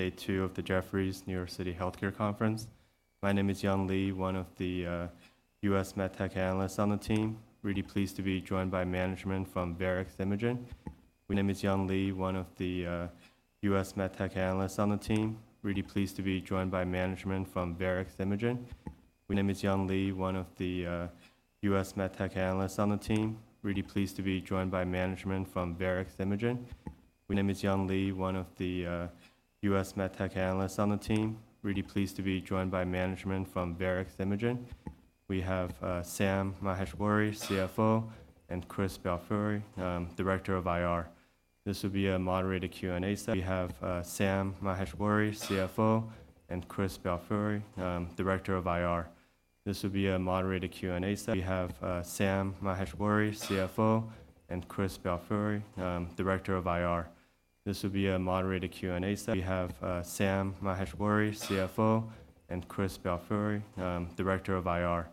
Day two of the Jefferies New York City Healthcare Conference. My name is Young Li, one of the US med tech analysts on the team. Really pleased to be joined by management from Varex Imaging. We have Sam Maheshwari, CFO, and Chris Belfiore, Director of IR. This will be a moderated Q&A session. This will be a moderated Q&A session. We have Sam Maheshwari, CFO, and Chris Belfiore, Director of IR.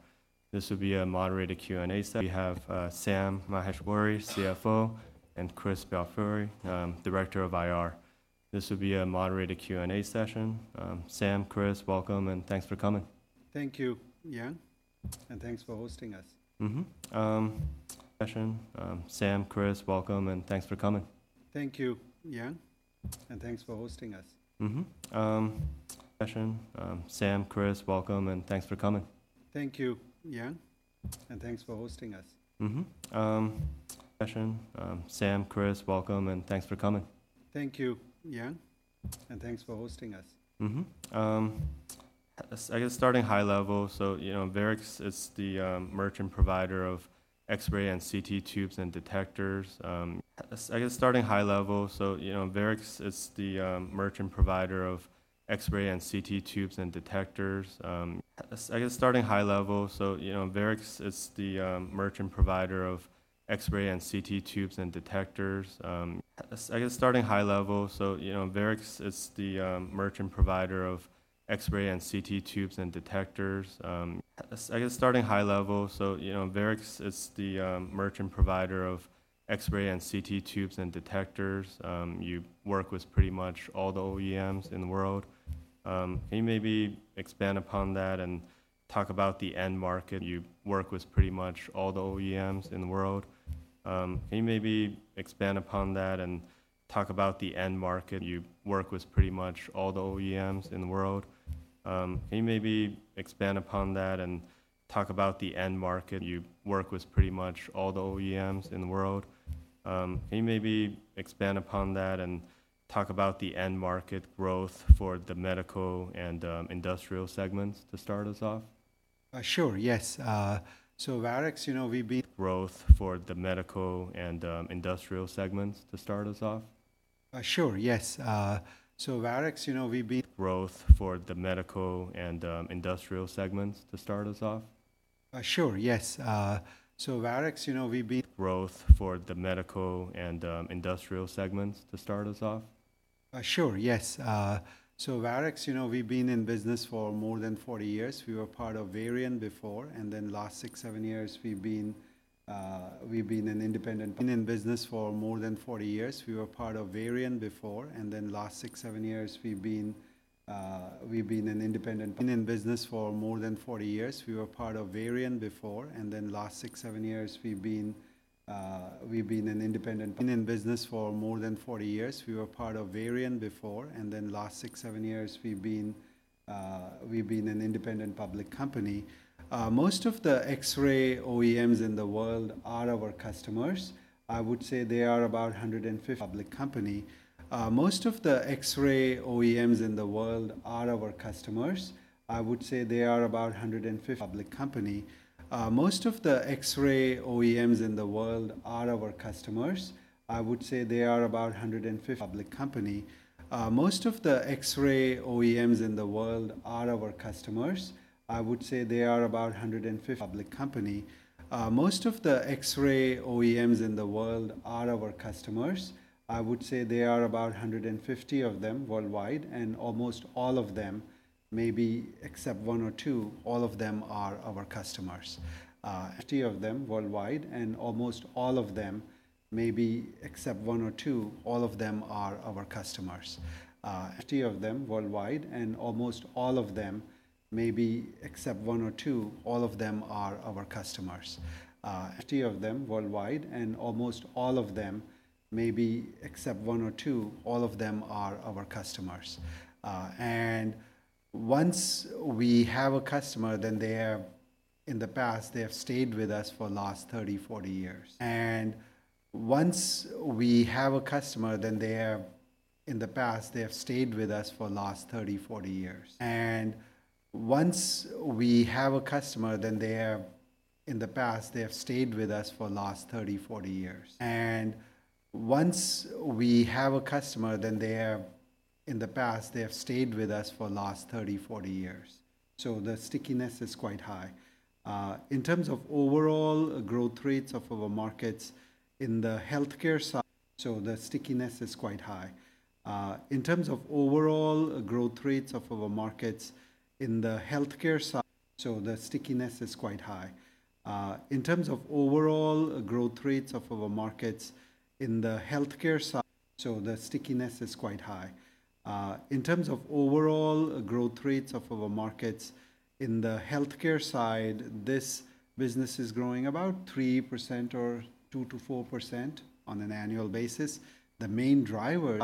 Sam, Chris, welcome, and thanks for coming. Thank you, Young, and thanks for hosting us. Mm-hmm. Sam, Chris, welcome, and thanks for coming. Thank you, Young, and thanks for hosting us. Mm-hmm. Session. Sam, Chris, welcome, and thanks for coming. Thank you, Young, and thanks for hosting us. Mm-hmm. Session. Sam, Chris, welcome, and thanks for coming. Thank you, Young, and thanks for hosting us. Mm-hmm. I guess starting high level, so, you know, Varex is the merchant provider of X-ray and CT tubes and detectors. You work with pretty much all the OEMs in the world. Can you maybe expand upon that and talk about the end market? You work with pretty much all the OEMs in the world. Can you maybe expand upon that and talk about the end market? You work with pretty much all the OEMs in the world. Can you maybe expand upon that and talk about the end market? You work with pretty much all the OEMs in the world. Can you maybe expand upon that and talk about the end market growth for the medical and industrial segments to start us off? Sure. Yes. So Varex, you know, we've been- Growth for the medical and, industrial segments to start us off? Sure. Yes. So Varex, you know, we've been- Growth for the medical and, industrial segments to start us off? Sure. Yes. So Varex, you know, we've been- Growth for the medical and, industrial segments to start us off? Sure. Yes. So Varex, you know, we've been in business for more than 40 years. We were part of Varian before, and then last 6, 7 years, we've been an independent public company. Most of the X-ray OEMs in the world are our customers. I would say they are about 150. Most of the X-ray OEMs in the world are our customers. I would say they are about 50 of them worldwide, and almost all of them, maybe except one or two, all of them are our customers. And once we have a customer, then they have... In the past, they have stayed with us for last 30, 40 years. And once we have a customer, then they have stayed with us for last 30, 40 years. So the stickiness is quite high. In terms of overall growth rates of our markets in the healthcare side, so the stickiness is quite high. In terms of overall growth rates of our markets, in the healthcare side, this business is growing about 3% or 2%-4% on an annual basis. The main driver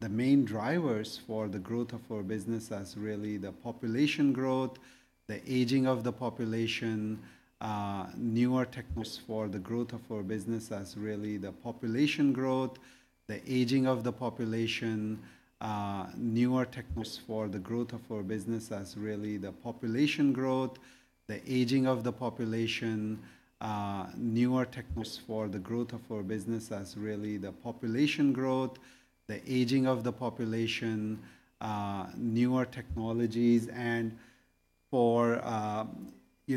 The main drivers for the growth of our business are really the population growth, the aging of the population, newer technologies. You know,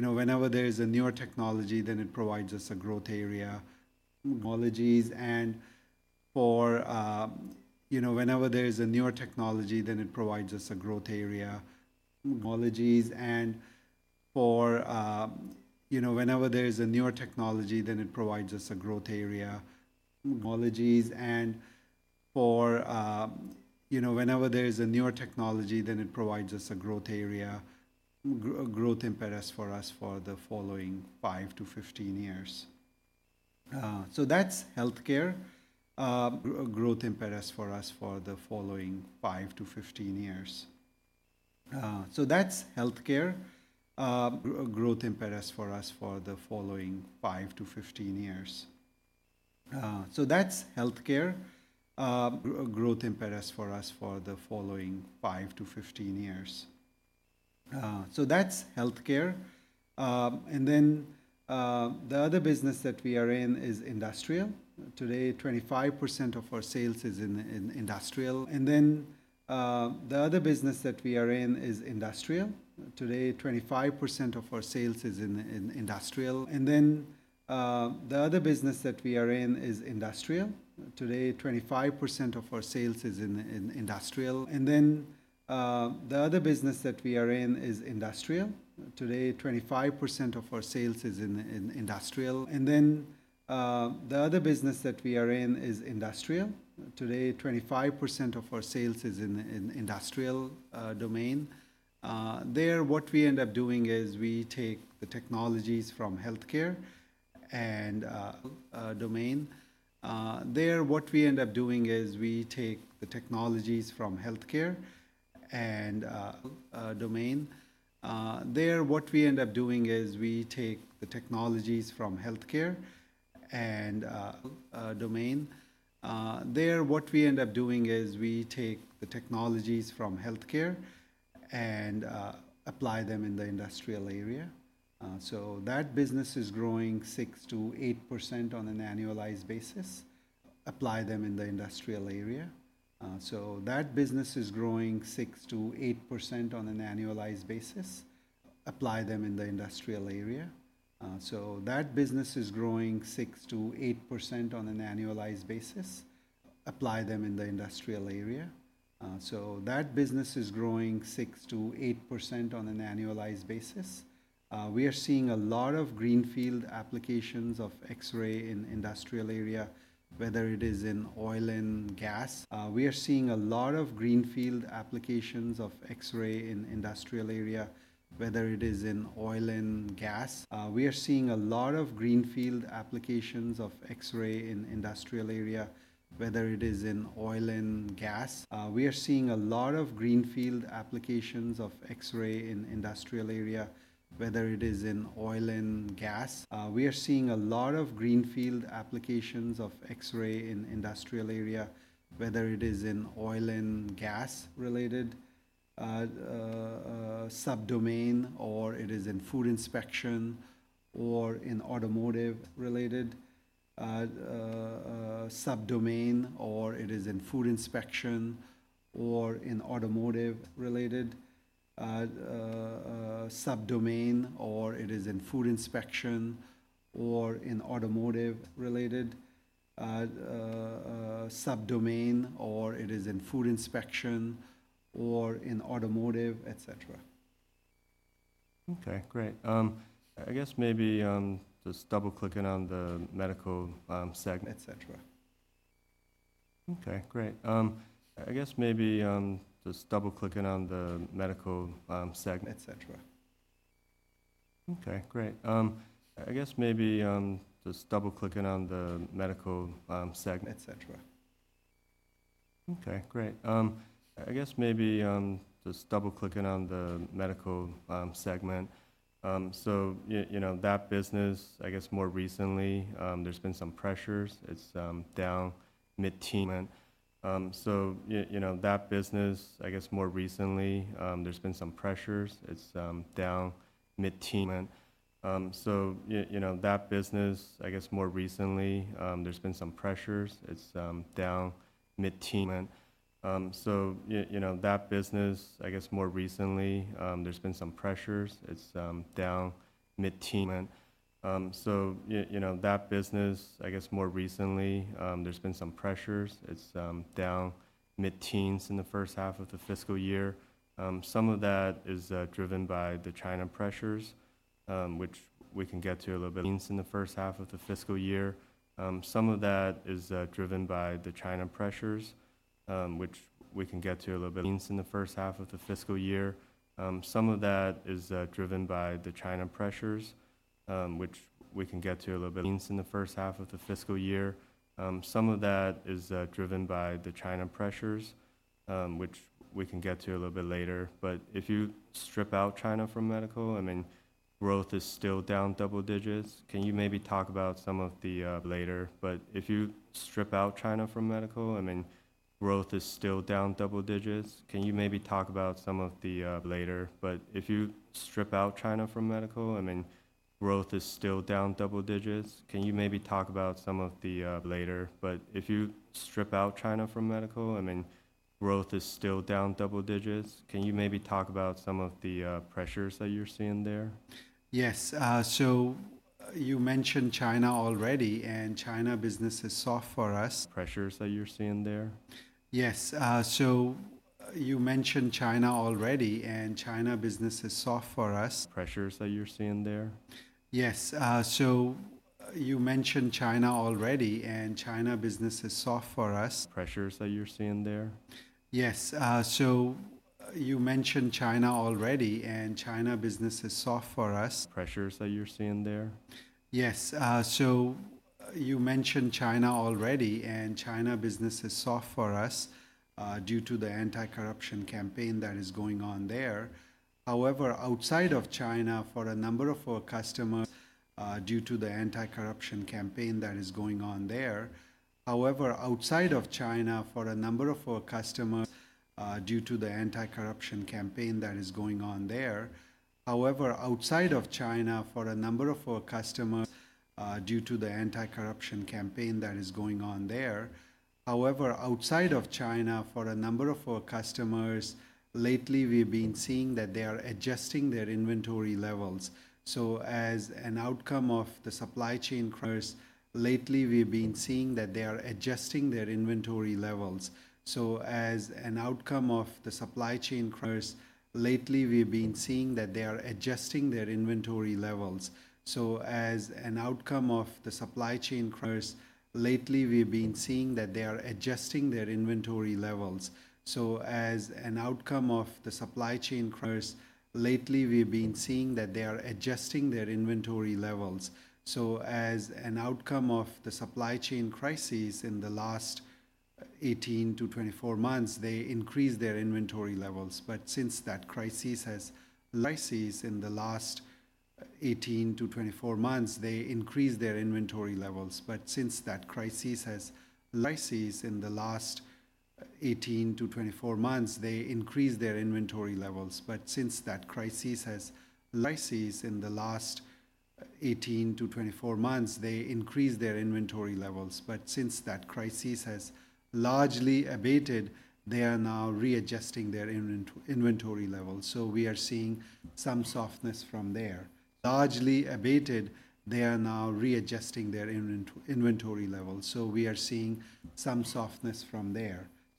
whenever there's a newer technology, then it provides us a growth area, technologies. And for, you know, whenever there's a newer technology, then it provides us a growth area, growth impetus for us for the following five to 15 years. So that's healthcare. And then, the other business that we are in is industrial. Today, 25% of our sales is in industrial. And then, the other business that we are in is industrial. Today, 25% of our sales is in industrial domain. There, what we end up doing is we take the technologies from healthcare and apply them in the industrial area. So that business is growing 6%-8% on an annualized basis. So that business is growing 6%-8% on an annualized basis, apply them in the industrial area. We are seeing a lot of greenfield applications of X-ray in industrial area, whether it is in oil and gas. We are seeing a lot of greenfield applications of X-ray in industrial area, whether it is in oil and gas related subdomain, or it is in food inspection, or in automotive related subdomain, or it is in food inspection, or in automotive related subdomain, or it is in food inspection, or in automotive, et cetera. Okay, great. I guess maybe just double-clicking on the medical segment, et cetera. So you know, that business, I guess more recently, there's been some pressures. It's down mid-teens in the first half of the fiscal year. Some of that is driven by the China pressures, which we can get to a little bit. Some of that is driven by the China pressures, which we can get to a little bit later. But if you strip out China from medical, I mean, growth is still down double digits. Can you maybe talk about some of the pressures that you're seeing there? Yes. So you mentioned China already, and China business is soft for us. Pressures that you're seeing there? Yes. So you mentioned China already, and China business is soft for us. Pressures that you're seeing there? Yes. So you mentioned China already, and China business is soft for us. Pressures that you're seeing there? Yes. So you mentioned China already, and China business is soft for us, due to the anti-corruption campaign that is going on there. However, outside of China, for a number of our customers, lately, we've been seeing that they are adjusting their inventory levels. So as an outcome of the supply chain crisis, lately, we've been seeing that they are adjusting their inventory levels. So as an outcome of the supply chain crises in the last 18-24 months, they increased their inventory levels. But since that crisis has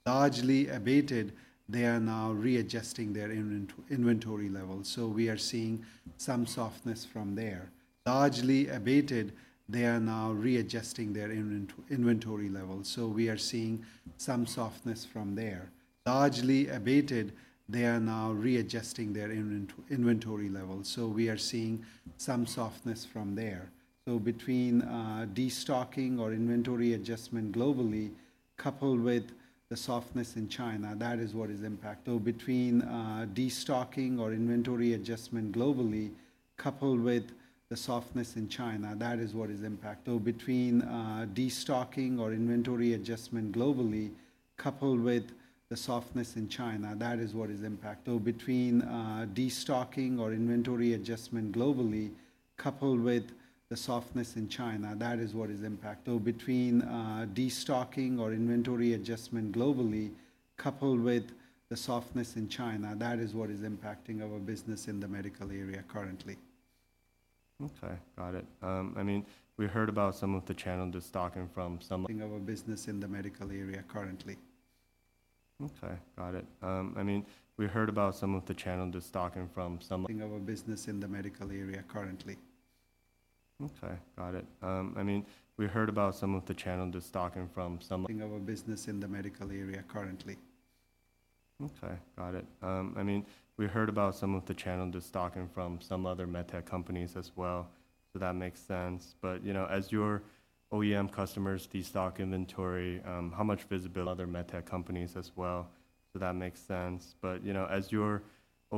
largely abated, they are now readjusting their inventory levels, so we are seeing some softness from there. Largely abated, they are now readjusting their inventory levels, so we are seeing some softness from there. So between destocking or inventory adjustment globally, coupled with the softness in China, that is what is impacting our business in the medical area currently. Okay, got it. I mean, we heard about some of the channel destocking from some- Of our business in the medical area currently. Okay, got it. I mean, we heard about some of the channel destocking from some- Of our business in the medical area currently. Okay, got it. I mean, we heard about some of the channel destocking from some-... Okay, got it. I mean, we heard about some of the channel de-stocking from some other med tech companies as well, so that makes sense. But, you know, as your OEM customers de-stock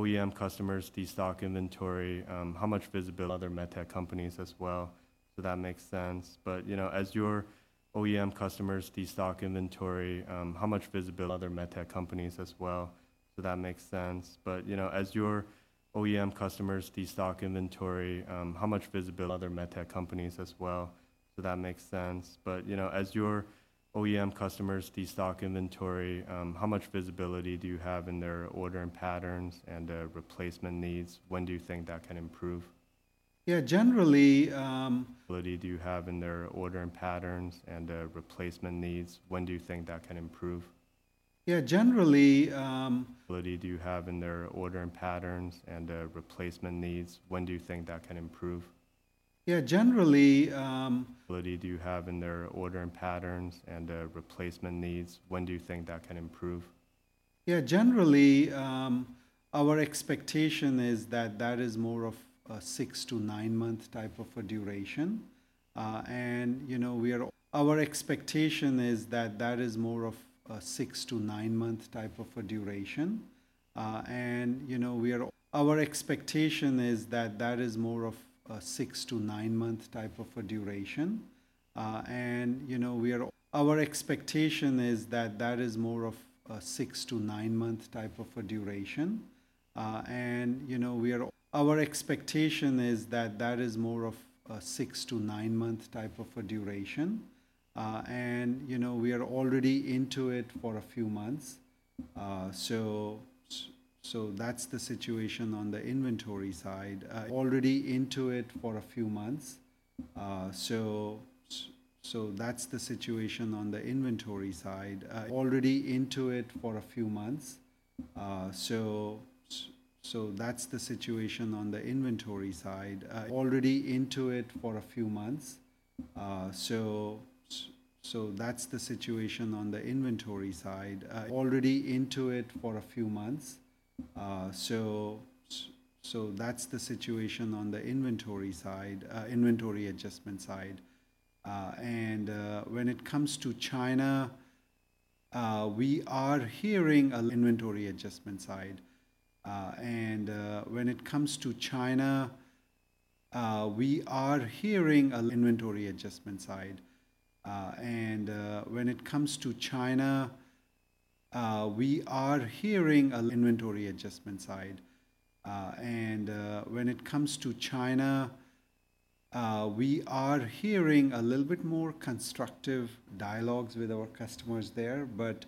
inventory, how much visibility do you have in their order and patterns and, replacement needs? When do you think that can improve? Yeah, generally, Visibility do you have in their order and patterns and replacement needs? When do you think that can improve? Yeah, generally, Visibility do you have in their order and patterns and replacement needs? When do you think that can improve? Yeah, generally- visibility do you have in their order and patterns and replacement needs? When do you think that can improve? Yeah, generally, our expectation is that that is more of a 6-9-month type of a duration. And, you know, we are already into it for a few months, so that's the situation on the inventory side. Already into it for a few months, so that's the situation on the inventory side, inventory adjustment side. And when it comes to China, we are hearing a little bit more constructive dialogues with our customers there. But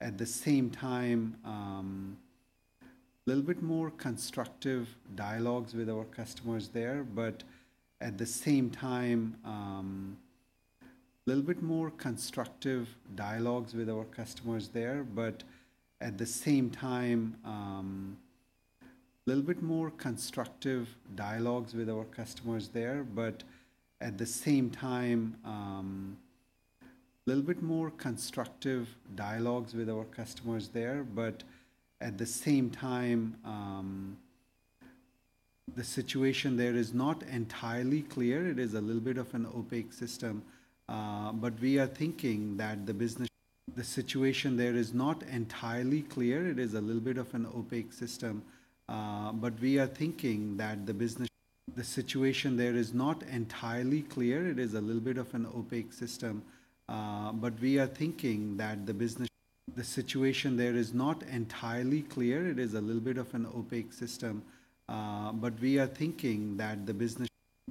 at the same time, But at the same time, a little bit more constructive dialogues with our customers there. But at the same time,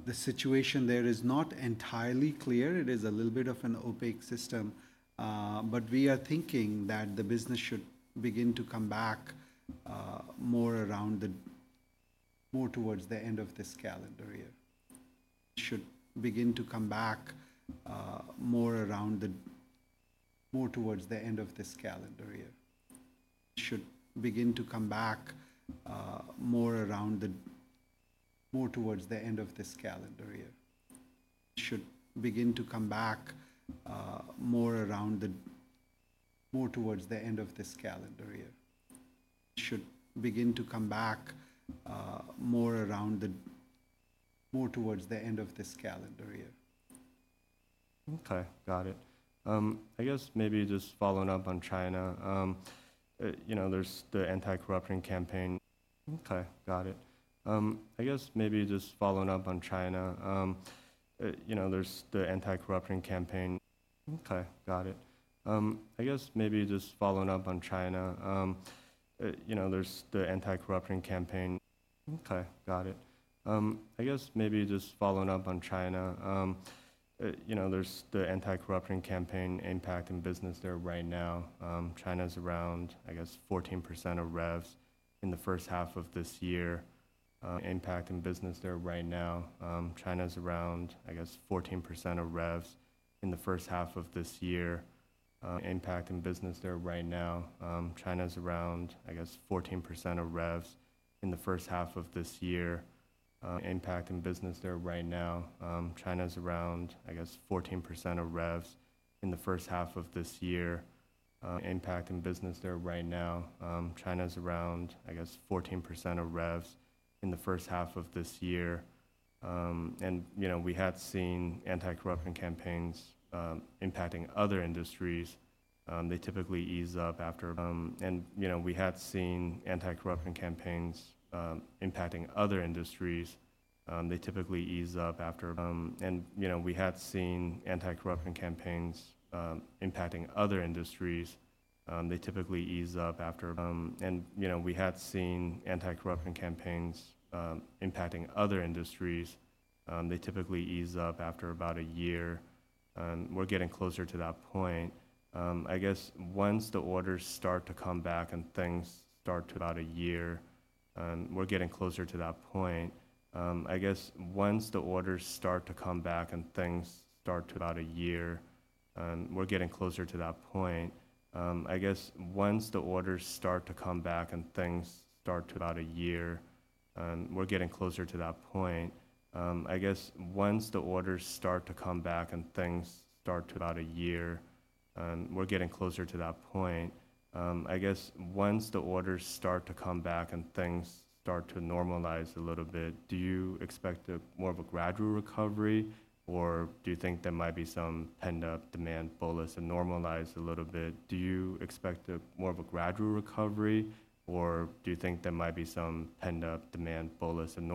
the situation there is not entirely clear. It is a little bit of an opaque system, but we are thinking that the business should begin to come back, more towards the end of this calendar year. Should begin to come back more towards the end of this calendar year. Okay, got it. I guess maybe just following up on China, you know, there's the anti-corruption campaign. Okay, got it. I guess maybe just following up on China, you know, there's the anti-corruption campaign. Okay, got it. I guess maybe just following up on China, you know, there's the anti-corruption campaign impacting business there right now. China's around, I guess, 14% of revs in the first half of this year, impacting business there right now. China's around, I guess, 14% of revs in the first half of this year, impacting business there right now. China's around, I guess, 14% of revs in the first half of this year.... Impact in business there right now. China's around, I guess, 14% of revs in the first half of this year. And, you know, we had seen anti-corruption campaigns impacting other industries. They typically ease up after about a year, and we're getting closer to that point. I guess once the orders start to come back and things start to normalize a little bit, do you expect a more of a gradual recovery, or do you think there might be some pent-up demand bullish and normalize a little bit? Do you expect a more of a gradual recovery, or do you think there might be some pent-up demand bullish impact?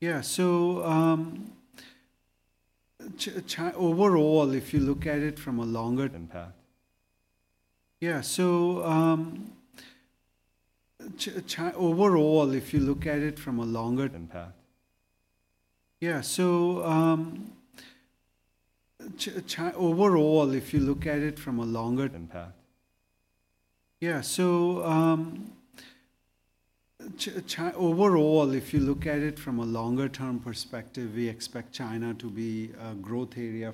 Yeah. So, overall, if you look at it from a longer- Impact. Yeah. So, overall, if you look at it from a longer- Impact. Yeah. So, overall, if you look at it from a longer- Impact. Yeah. So, overall, if you look at it from a longer- Impact. Yeah. So, overall, if you look at it from a longer-term perspective, we expect China to be a growth area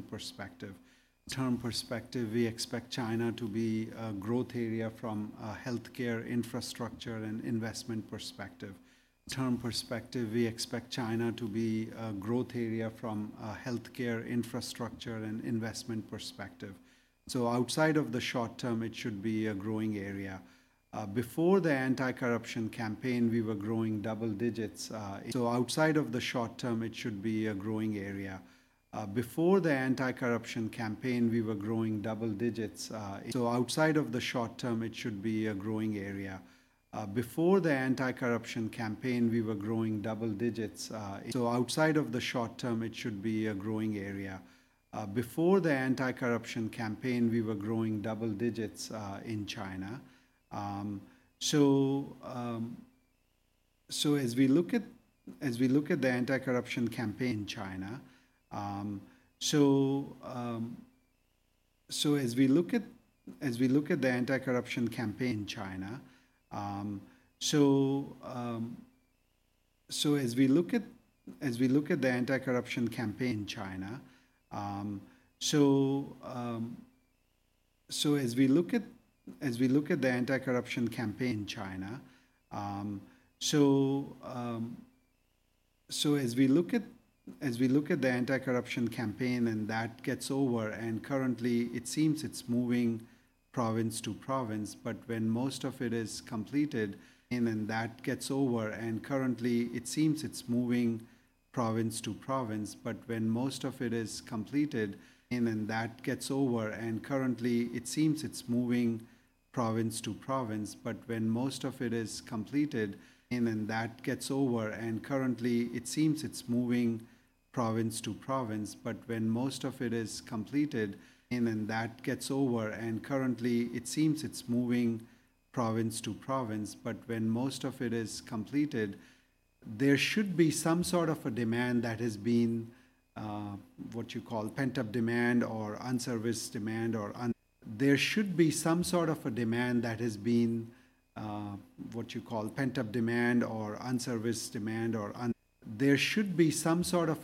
from a healthcare infrastructure and investment perspective. So outside of the short term, it should be a growing area. Before the anti-corruption campaign, we were growing double digits. Before the anti-corruption campaign, we were growing double digits in China. So outside of the short term, it should be a growing area. So as we look at the anti-corruption campaign, China... So, as we look at the anti-corruption campaign, China, and that gets over. And currently, it seems it's moving province to province. But when most of it is completed and then that gets over. But when most of it is completed, there should be some sort of a demand that has been what you call pent-up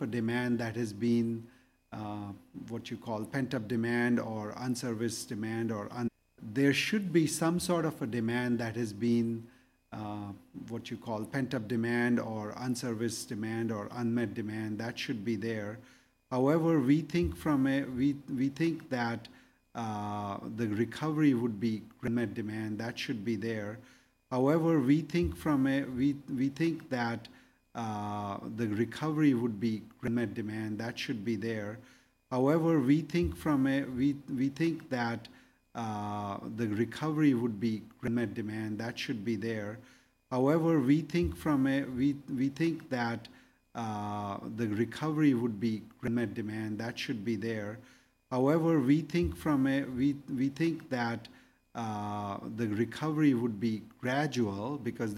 demand or unserviced demand or unmet demand. That should be there. However, we think from a we think that the recovery would be. However, we think that the recovery would be gradual because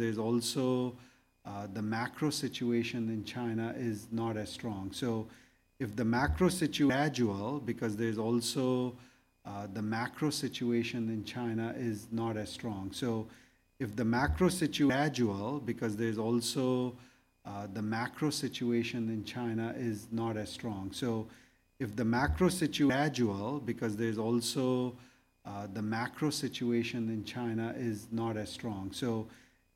there's also the macro situation in China is not as strong. So if the macro situation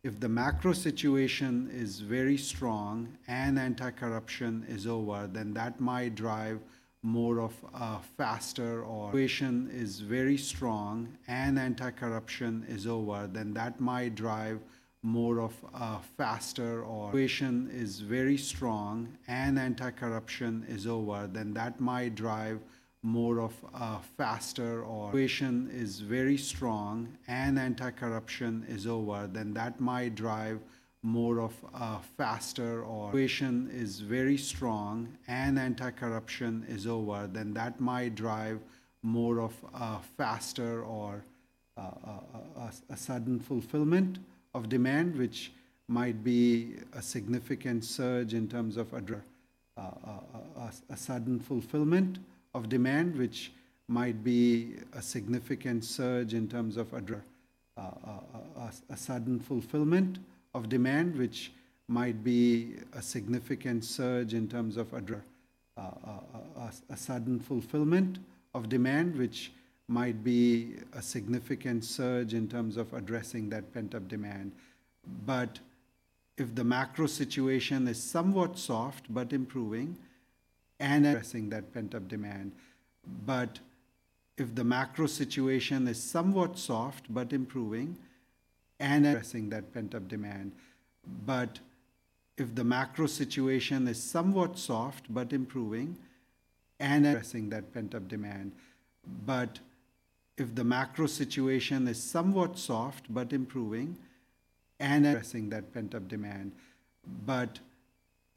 is very strong and anti-corruption is over, then that might drive more of a faster or a sudden fulfillment of demand, which might be a significant surge in terms of addressing that pent-up demand. But if the macro situation is somewhat soft but improving and addressing that pent-up demand. But if the macro situation is somewhat soft but improving and anti-corruption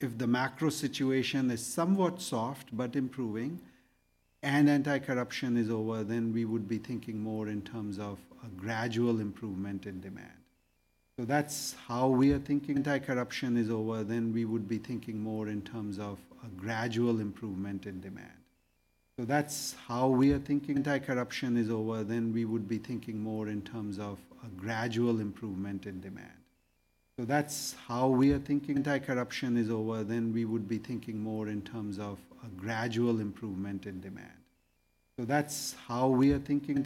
is over, then we would be thinking more in terms of a gradual improvement in demand. So that's how we are thinking. So that's how we are thinking, anti-corruption is over, then we would be thinking more in terms of a gradual improvement in demand. So that's how we are thinking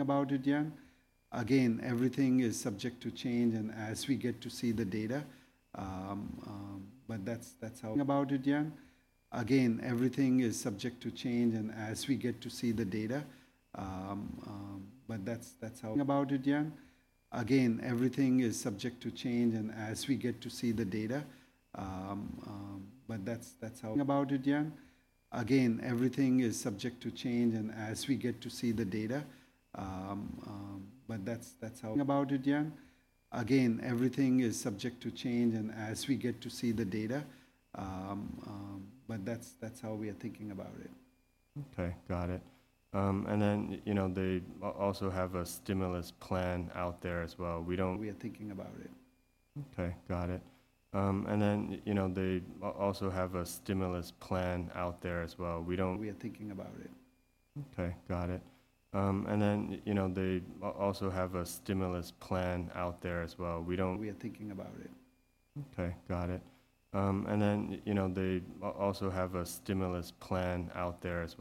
about it, Young. Again, everything is subject to change, and as we get to see the data, but that's how we are thinking about it. Okay, got it. And then, you know, they also have a stimulus plan out there as well. We don't- We are thinking about it. Okay, got it. And then, you know, they also have a stimulus plan out there as well. We don't- We are thinking about it. Okay, got it. And then, you know, they also have a stimulus plan out there as well. We don't- We are thinking about it. Okay, got it. And then, you know, they also have a stimulus plan out there as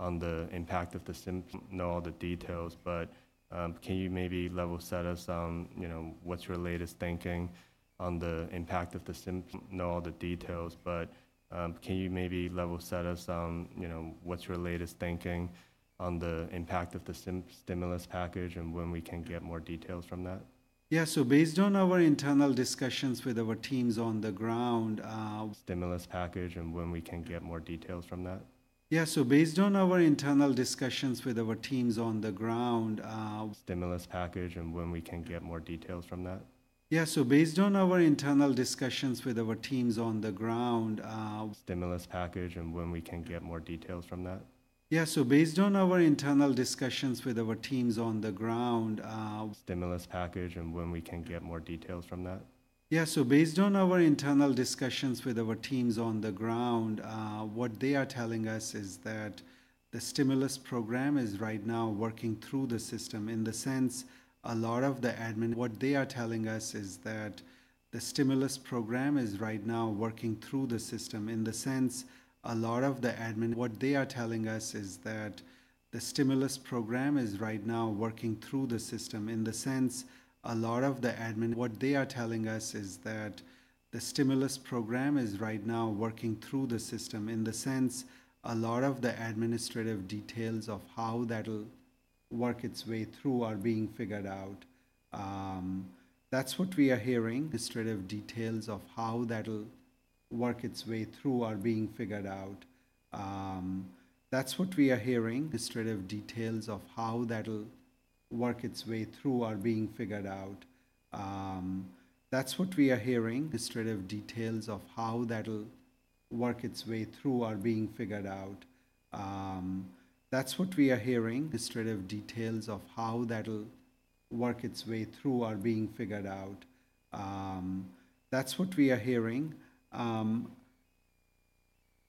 well. We don't know all the details, but can you maybe level set us on, you know, what's your latest thinking on the impact of the stimulus package, and when we can get more details from that? Yeah. So based on our internal discussions with our teams on the ground, Stimulus package, and when we can get more details from that? Yeah. Based on our internal discussions with our teams on the ground. Stimulus package, and when we can get more details from that? Yeah. So based on our internal discussions with our teams on the ground, Stimulus package, and when we can get more details from that? Yeah. So based on our internal discussions with our teams on the ground, Stimulus package, and when we can get more details from that? Yeah. So based on our internal discussions with our teams on the ground, what they are telling us is that the stimulus program is right now working through the system in the sense a lot of the administrative details of how that'll work its way through are being figured out. That's what we are hearing. Administrative details of how that'll work its way through are being figured out. That's what we are hearing.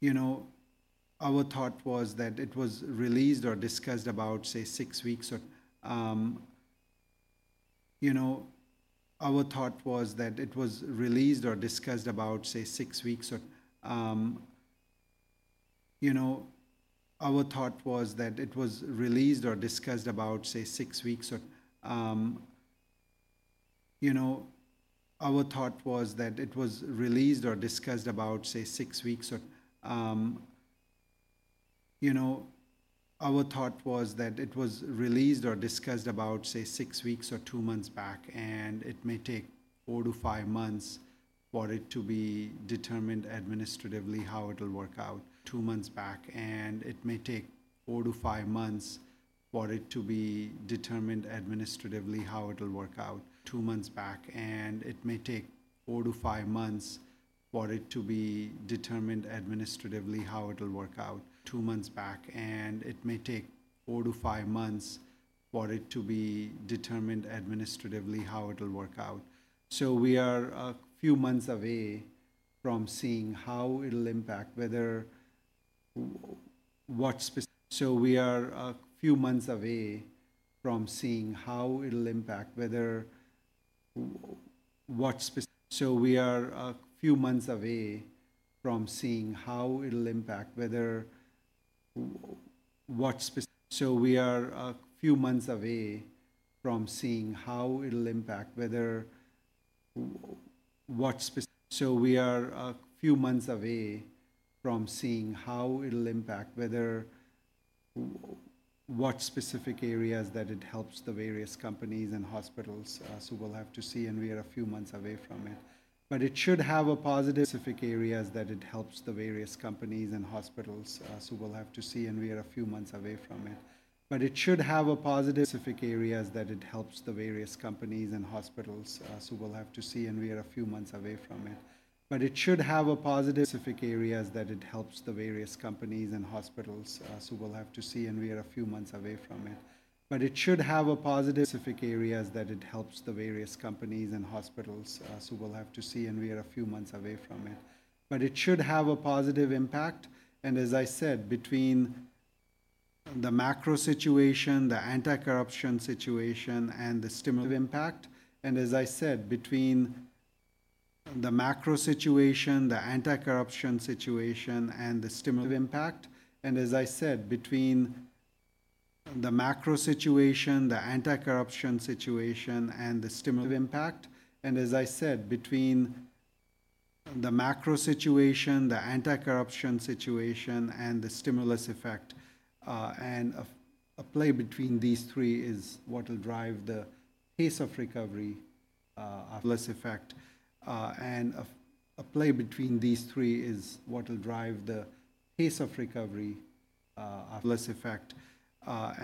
You know, our thought was that it was released or discussed about, say, 6 weeks or 2 months back, and it may take 4-5 months for it to be determined administratively how it'll work out. 2 months back, and it may take 4-5 months for it to be determined administratively how it'll work out. So we are a few months away from seeing how it'll impact, whether what specific areas that it helps the various companies and hospitals. So we'll have to see, and we are a few months away from it. But it should have a positive... Specific areas that it helps the various companies and hospitals. So we'll have to see, and we are a few months away from it. But it should have a positive impact, and as I said, between the macro situation, the anti-corruption situation, and the stimulus impact. As I said, between the macro situation, the anti-corruption situation, and the stimulus effect, the interplay between these three is what will drive the pace of recovery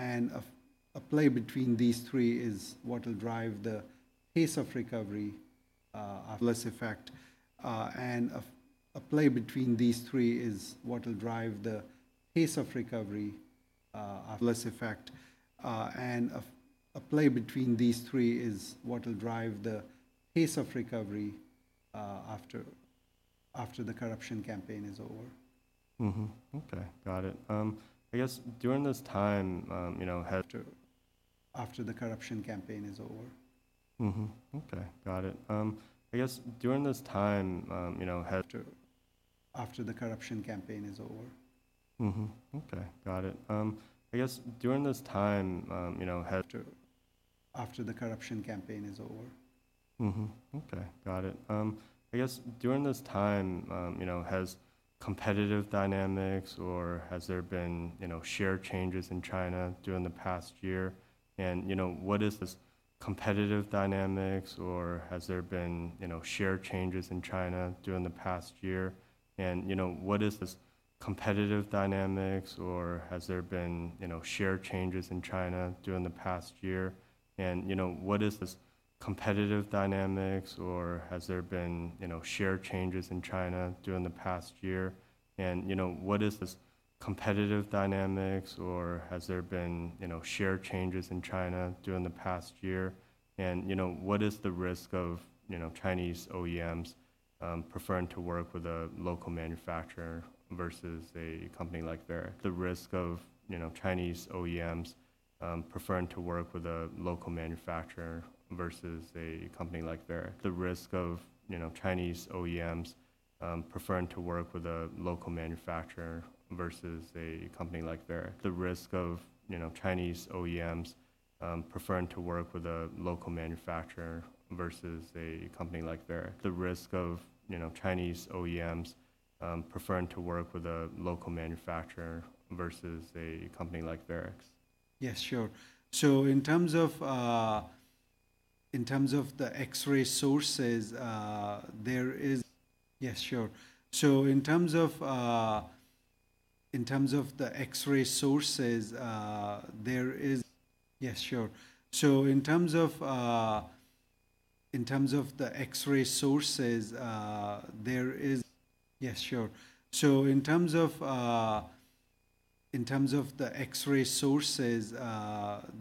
after the corruption campaign is over. Mm-hmm. Okay, got it. I guess during this time, you know, after- After the corruption campaign is over. Mm-hmm. Okay, got it. I guess during this time, you know, after- After the corruption campaign is over. Mm-hmm. Okay, got it. I guess during this time, you know, after- After the Anti-corruption campaign is over. Mm-hmm. Okay, got it. I guess during this time, you know, has competitive dynamics or has there been, you know, share changes in China during the past year? And, you know, what is this competitive dynamics, or has there been, you know, share changes in China during the past year? And, you know, what is the risk of, you know, Chinese OEMs preferring to work with a local manufacturer versus a company like Varex? The risk of, you know, Chinese OEMs preferring to work with a local manufacturer versus a company like Varex. Yes, sure. So in terms of the X-ray sources, there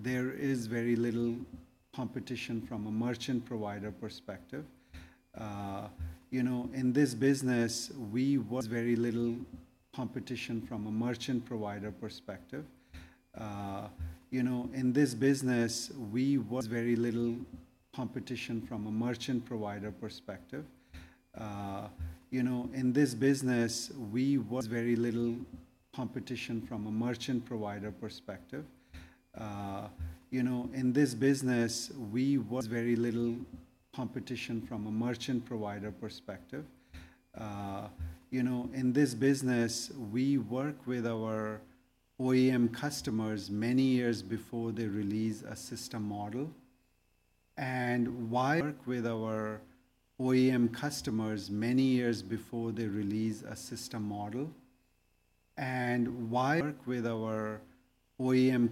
is very little competition from a merchant provider perspective. You know, in this business, we work with our OEM customers many years before they release a system model. And while we work with our OEM customers many years before they release a system model, while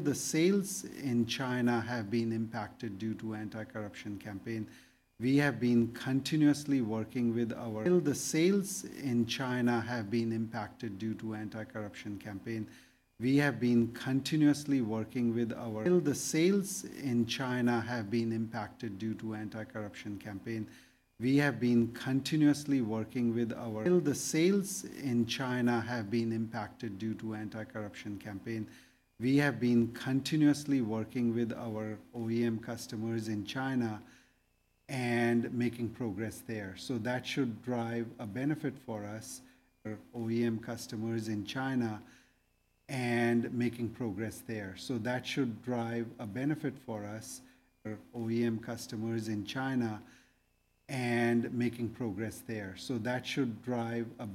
the sales in China have been impacted due to anti-corruption campaign, we have been continuously working with our OEM customers in China and making progress there. So that should drive a benefit for us. So that should drive a benefit for us, our OEM customers in China, and making progress there. So that should drive a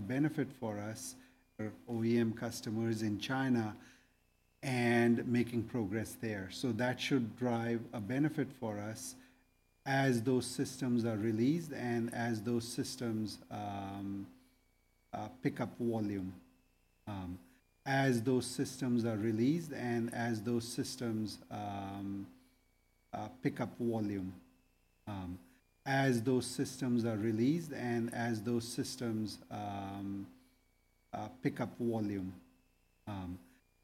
benefit for us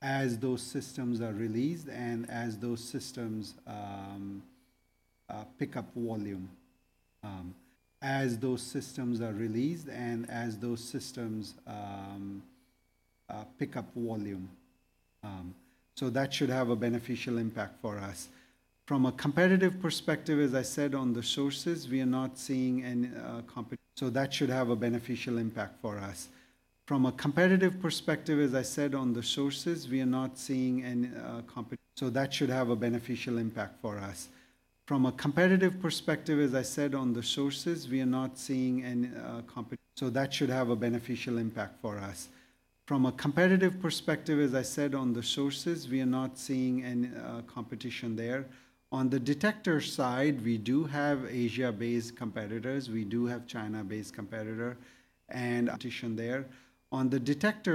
as those systems are released and as those systems pick up volume. So that should have a beneficial impact for us. From a competitive perspective, as I said on the sources, we are not seeing any competition there. So that should have a beneficial impact for us. On the detector side, we do have Asia-based competitors. We do have China-based competitor and competition there. On the detector side, we do have Asia-based competitors. We do have China-based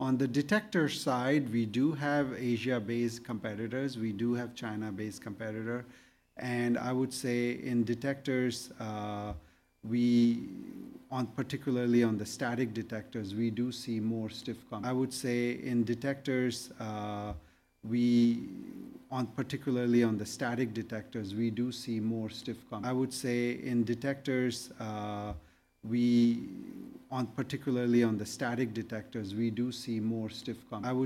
competitor. And I would say in detectors, particularly on the static detectors, we do see more stiff competition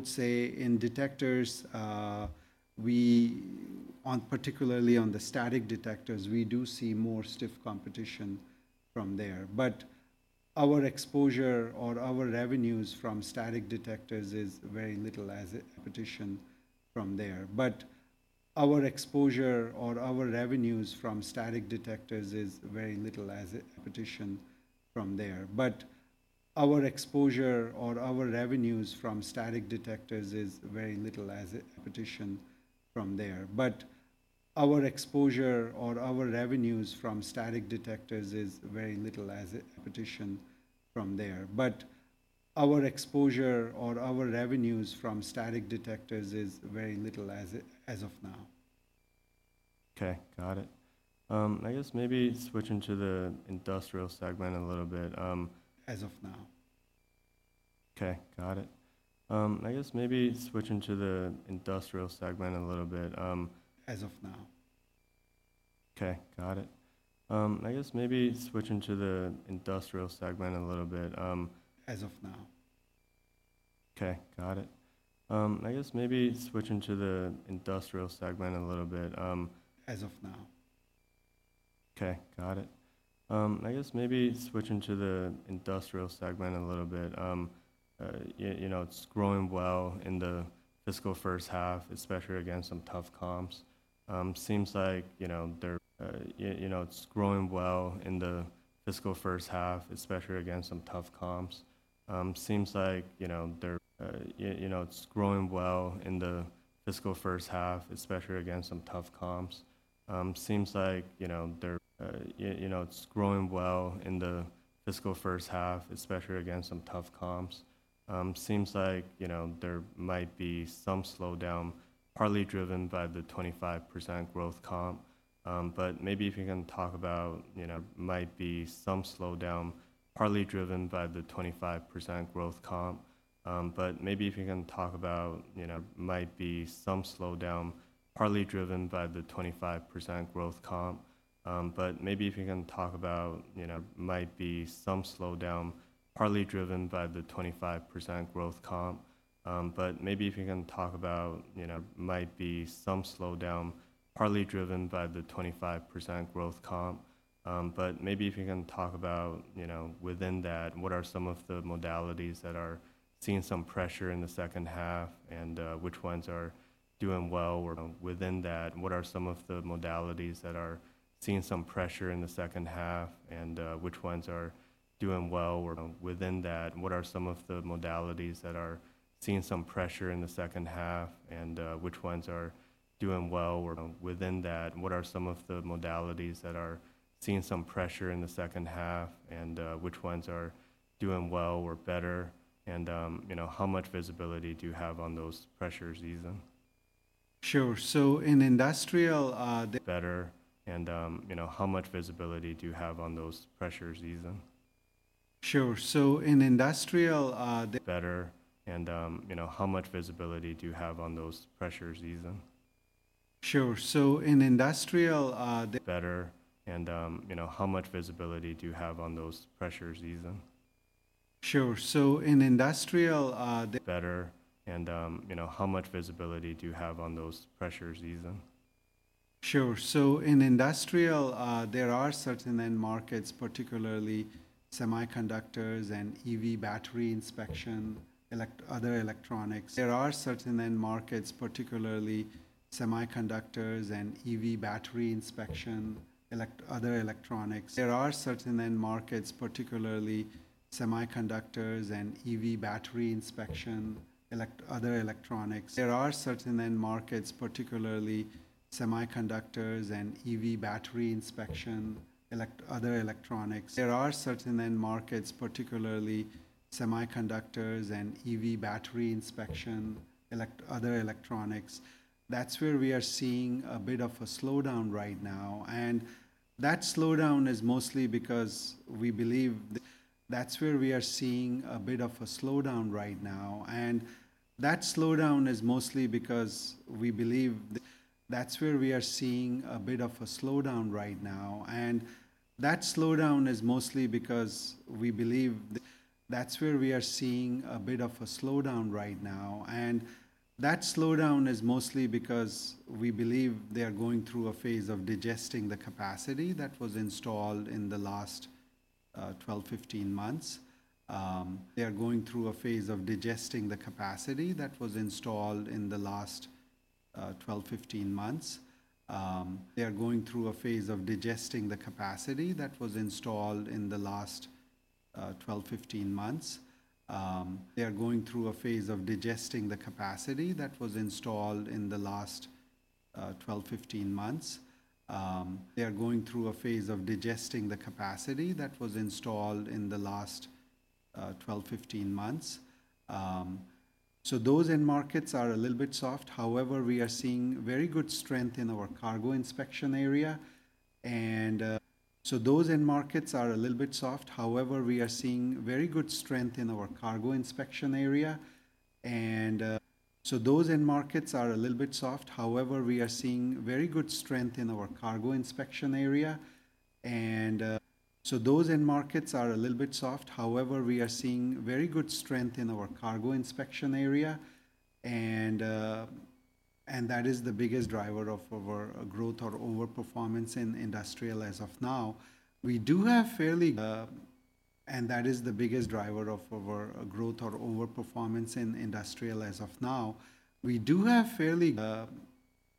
from there. But our exposure or our revenues from static detectors is very little as a competition from there. But our exposure or our revenues from static detectors is very little as of now. Okay, got it. I guess maybe switching to the industrial segment a little bit, As of now. Okay, got it. I guess maybe switching to the industrial segment a little bit, As of now. Okay, got it. I guess maybe switching to the industrial segment a little bit, As of now. Okay, got it. I guess maybe switching to the industrial segment a little bit, As of now. Okay, got it. I guess maybe switching to the industrial segment a little bit, you know, it's growing well in the fiscal first half, especially against some tough comps. Seems like, you know, there, you know, it's growing well in the fiscal first half, especially against some tough comps. Seems like, you know, there, you know, it's growing well in the fiscal first half, especially against some tough comps. Seems like, you know, there, you know, it's growing well in the fiscal first half, especially against some tough comps. Seems like, you know, there might be some slowdown, partly driven by the 25% growth comp. But maybe if you can talk about, you know, might be some slowdown, partly driven by the 25% growth comp. But maybe if you can talk about, you know, might be some slowdown, partly driven by the 25% growth comp. Within that, what are some of the modalities that are seeing some pressure in the second half, and which ones are doing well or better? And you know, how much visibility do you have on those pressure seasonality? Sure. So in industrial, Better, and, you know, how much visibility do you have on those pressures easing? Sure. So in industrial, Better, and, you know, how much visibility do you have on those pressures easing? Sure. So in industrial, Better, and, you know, how much visibility do you have on those pressures easing? Sure. So in industrial, Better, and, you know, how much visibility do you have on those pressures seasonally? Sure. So in industrial, there are certain end markets, particularly semiconductors and EV battery inspection, other electronics. That's where we are seeing a bit of a slowdown right now, and that slowdown is mostly because we believe... That's where we are seeing a bit of a slowdown right now, and that slowdown is mostly because we believe they are going through a phase of digesting the capacity that was installed in the last 12-15 months. So those end markets are a little bit soft. However, we are seeing very good strength in our cargo inspection area, and that is the biggest driver of our growth or overperformance in industrial as of now. We do have fairly...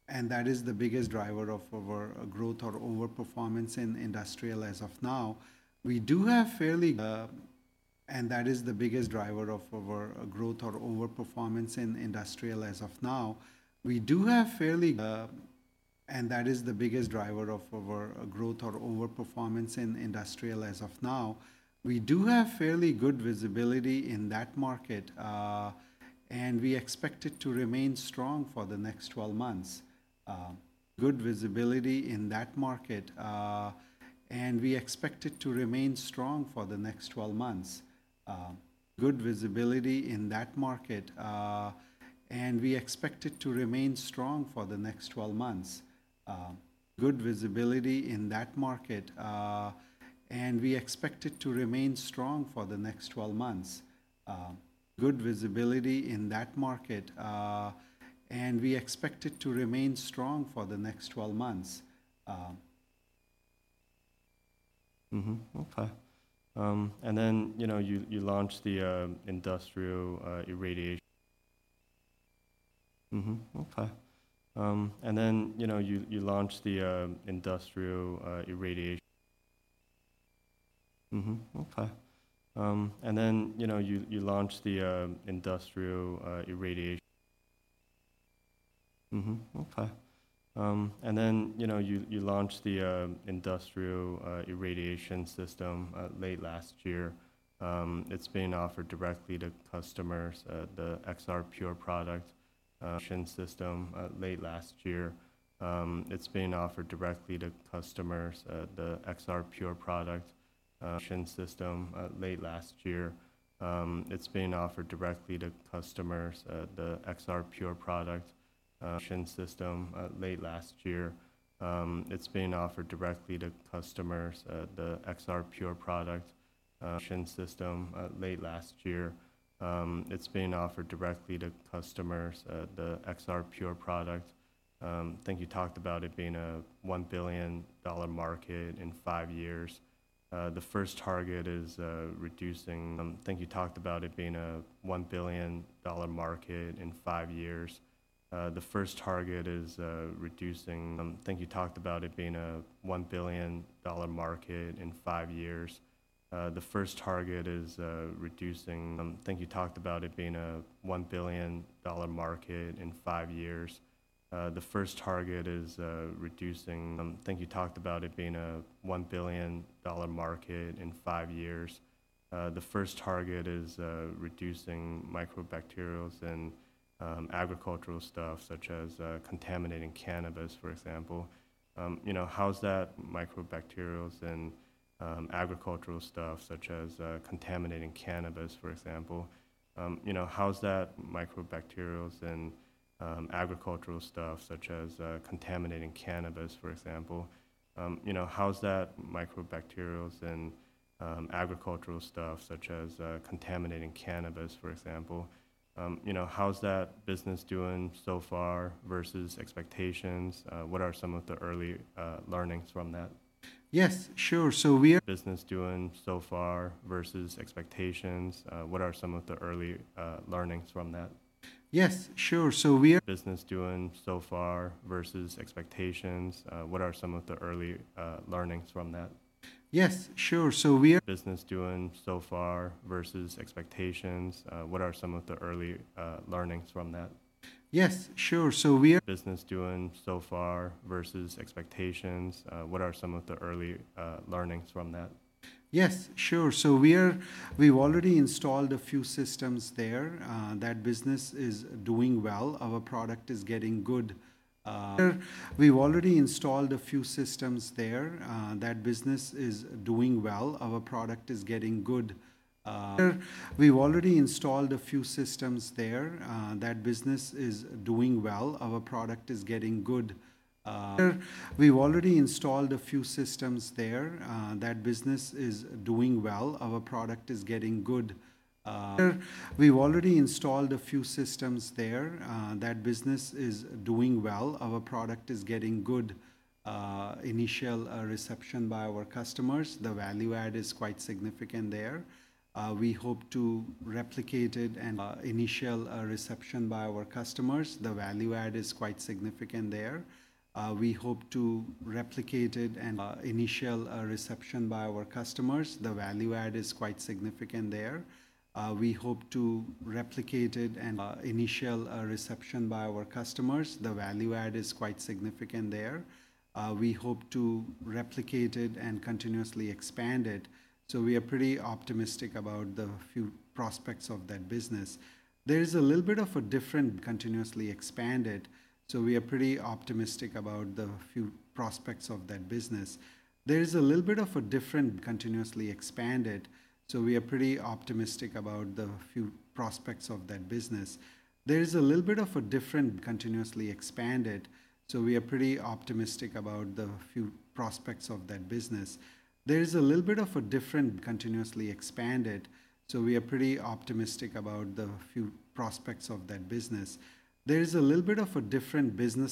That is the biggest driver of our growth or overperformance in industrial as of now. We do have fairly good visibility in that market, and we expect it to remain strong for the next 12 months. And then, you know, you launched the industrial irradiation system late last year. It's being offered directly to customers, the XRpure product irradiation system. I think you talked about it being a $1 billion market in five years. The first target is reducing. I think you talked about it being a $1 billion market in five years. The first target is reducing microbacterials and agricultural stuff, such as contaminating cannabis, for example. You know, how's that microbacterials and agricultural stuff, such as contaminating cannabis, for example? You know, how's that microbacterials and agricultural stuff, such as contaminating cannabis, for example? You know, how's that business doing so far versus expectations? What are some of the early learnings from that? Yes, sure. So we're- Business doing so far versus expectations, what are some of the early learnings from that? Yes, sure. So we're- Business doing so far versus expectations, what are some of the early learnings from that? Yes, sure. So we're- Business doing so far versus expectations, what are some of the early learnings from that? Yes, sure. So we're- Business doing so far versus expectations, what are some of the early learnings from that? Yes, sure. So we're... We've already installed a few systems there. That business is doing well. Our product is getting good initial reception by our customers. The value add is quite significant there. We hope to replicate it and initial reception by our customers. The value add is quite significant there. We hope to replicate it and continuously expand it. So we are pretty optimistic about the future prospects of that business. There is a little bit of a different business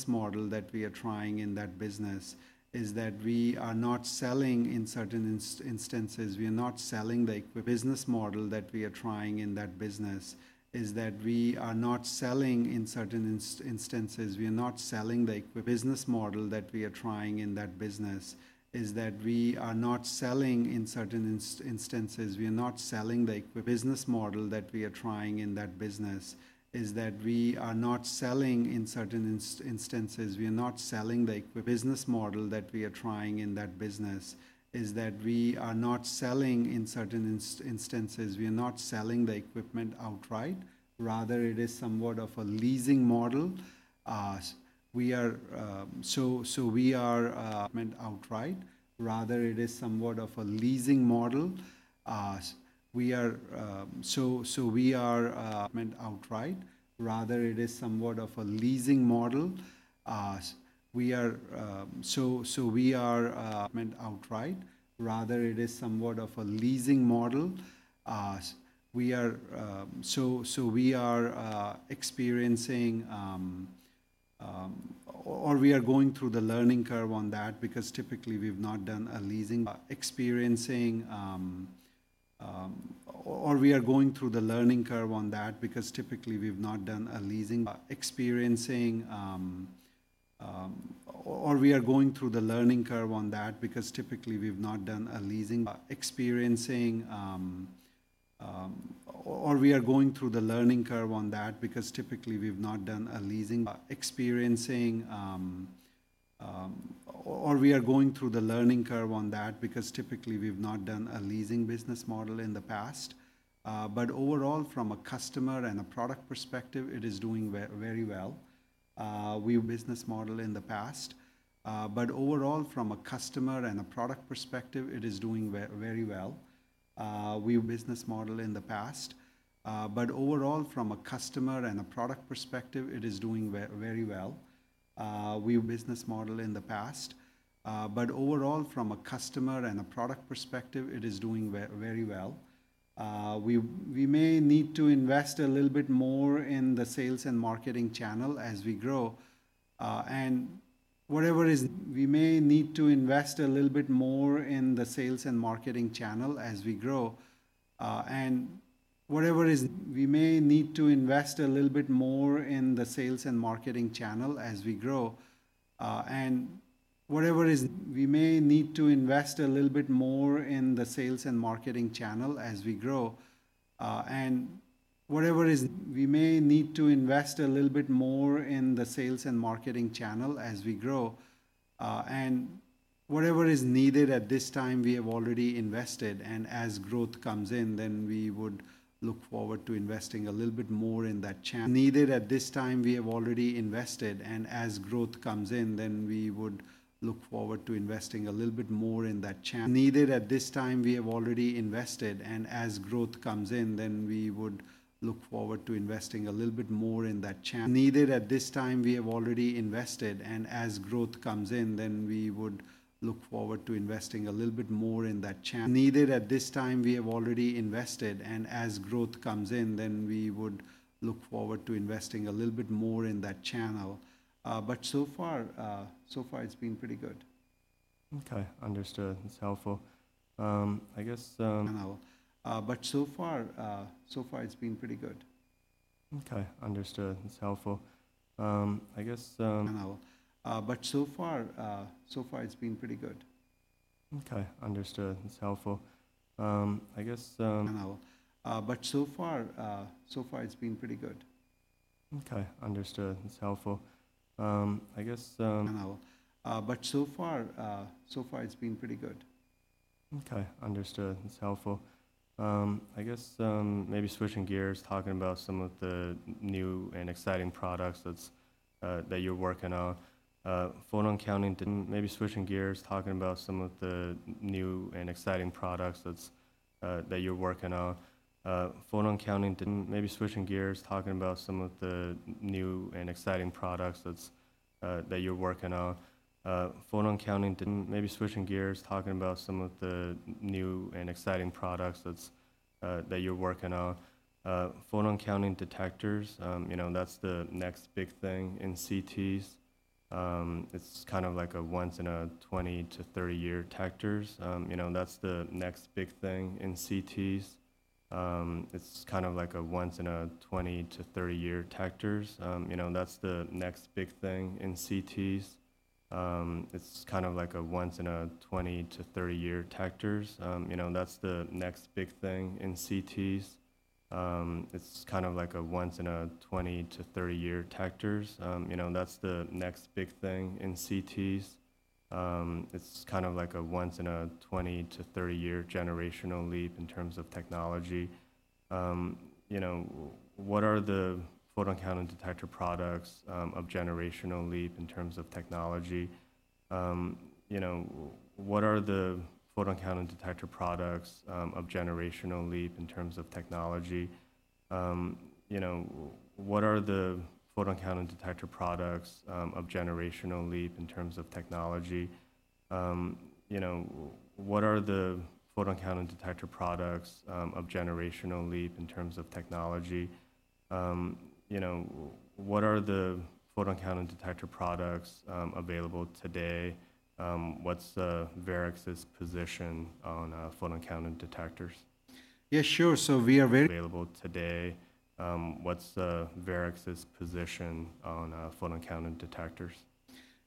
model that we are trying in that business, is that we are not selling in certain instances. We are not selling the equipment. We are not selling the equipment. The business model that we are trying in that business is that we are not selling in certain instances. We are not selling the equipment outright. Rather, it is somewhat of a leasing model. So we are going through the learning curve on that because typically we've not done a leasing business model in the past. But overall, from a customer and a product perspective, it is doing very well. We business model in the past, but overall, from a customer and a product perspective, it is doing very well. We may need to invest a little bit more in the sales and marketing channel as we grow, and whatever is ... We may need to invest a little bit more in the sales and marketing channel as we grow, and whatever is needed at this time, we have already invested, and as growth comes in, then we would look forward to investing a little bit more in that channel. But so far, so far it's been pretty good. Okay, understood. That's helpful. I guess, But so far, so far it's been pretty good. Okay, understood. That's helpful. I guess, But so far, it's been pretty good. Okay, understood. That's helpful. I guess, But so far it's been pretty good. Okay, understood. That's helpful. I guess, But so far, it's been pretty good. Okay, understood. That's helpful. I guess, maybe switching gears, talking about some of the new and exciting products that you're working on. Photon counting detectors, you know, that's the next big thing in CTs. It's kind of like a once in a 20- to 30-year detectors. You know, that's the next big thing in CTs. It's kind of like a once in a 20- to 30-year generational leap in terms of technology. You know, what are the photon counting detector products of generational leap in terms of technology? You know, what are the photon counting detector products available today? What's Varex's position on photon counting detectors? Yeah, sure. So we are very- Available today, what's Varex's position on photon counting detectors?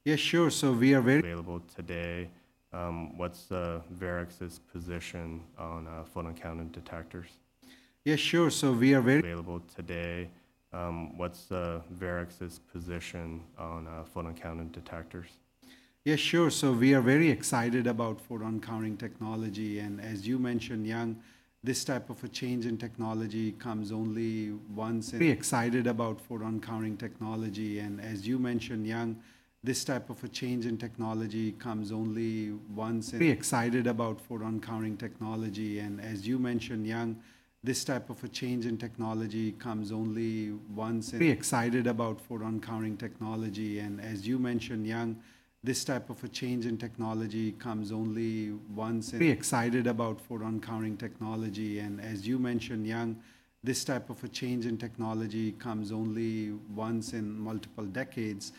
Yeah, sure. So we are very- Available today, what's Varex's position on photon counting detectors? Yeah, sure. So we are very- Available today, what's Varex's position on photon counting detectors? Yeah, sure. So we are very excited about photon counting technology, and as you mentioned, Young, this type of a change in technology comes only once in multiple decades.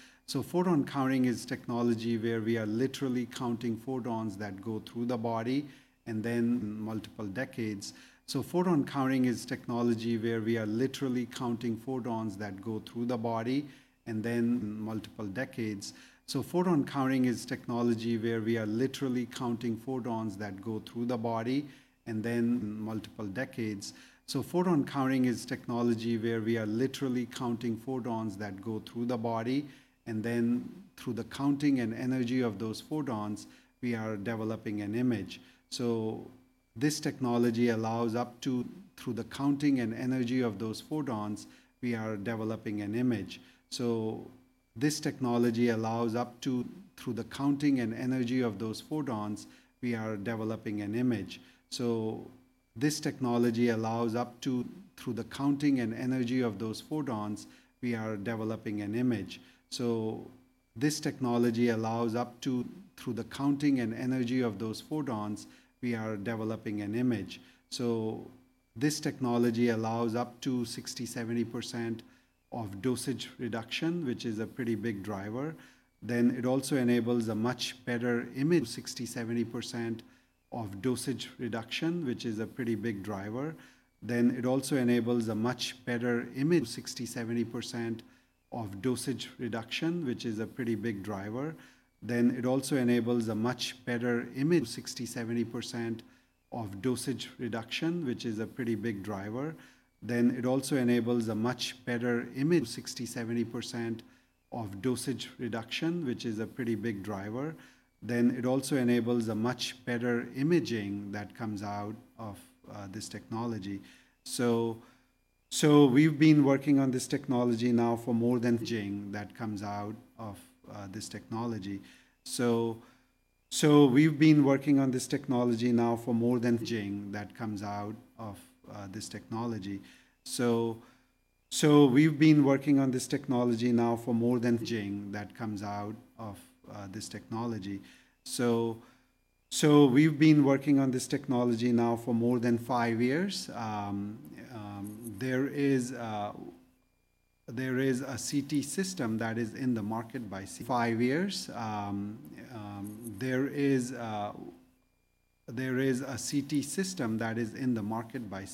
So photon counting is technology where we are literally counting photons that go through the body. So photon counting is technology where we are literally counting photons that go through the body, and then through the counting and energy of those photons, we are developing an image. So this technology allows up to 60%-70% dosage reduction, which is a pretty big driver. Then it also enables a much better image. Then it also enables a much better image, 60%-70% dosage reduction, which is a pretty big driver. Then it also enables a much better imaging that comes out of this technology. So we've been working on this technology now for more than 5 years. There is a CT system that is in the market by C- 5 years. There is a CT system that is in the market by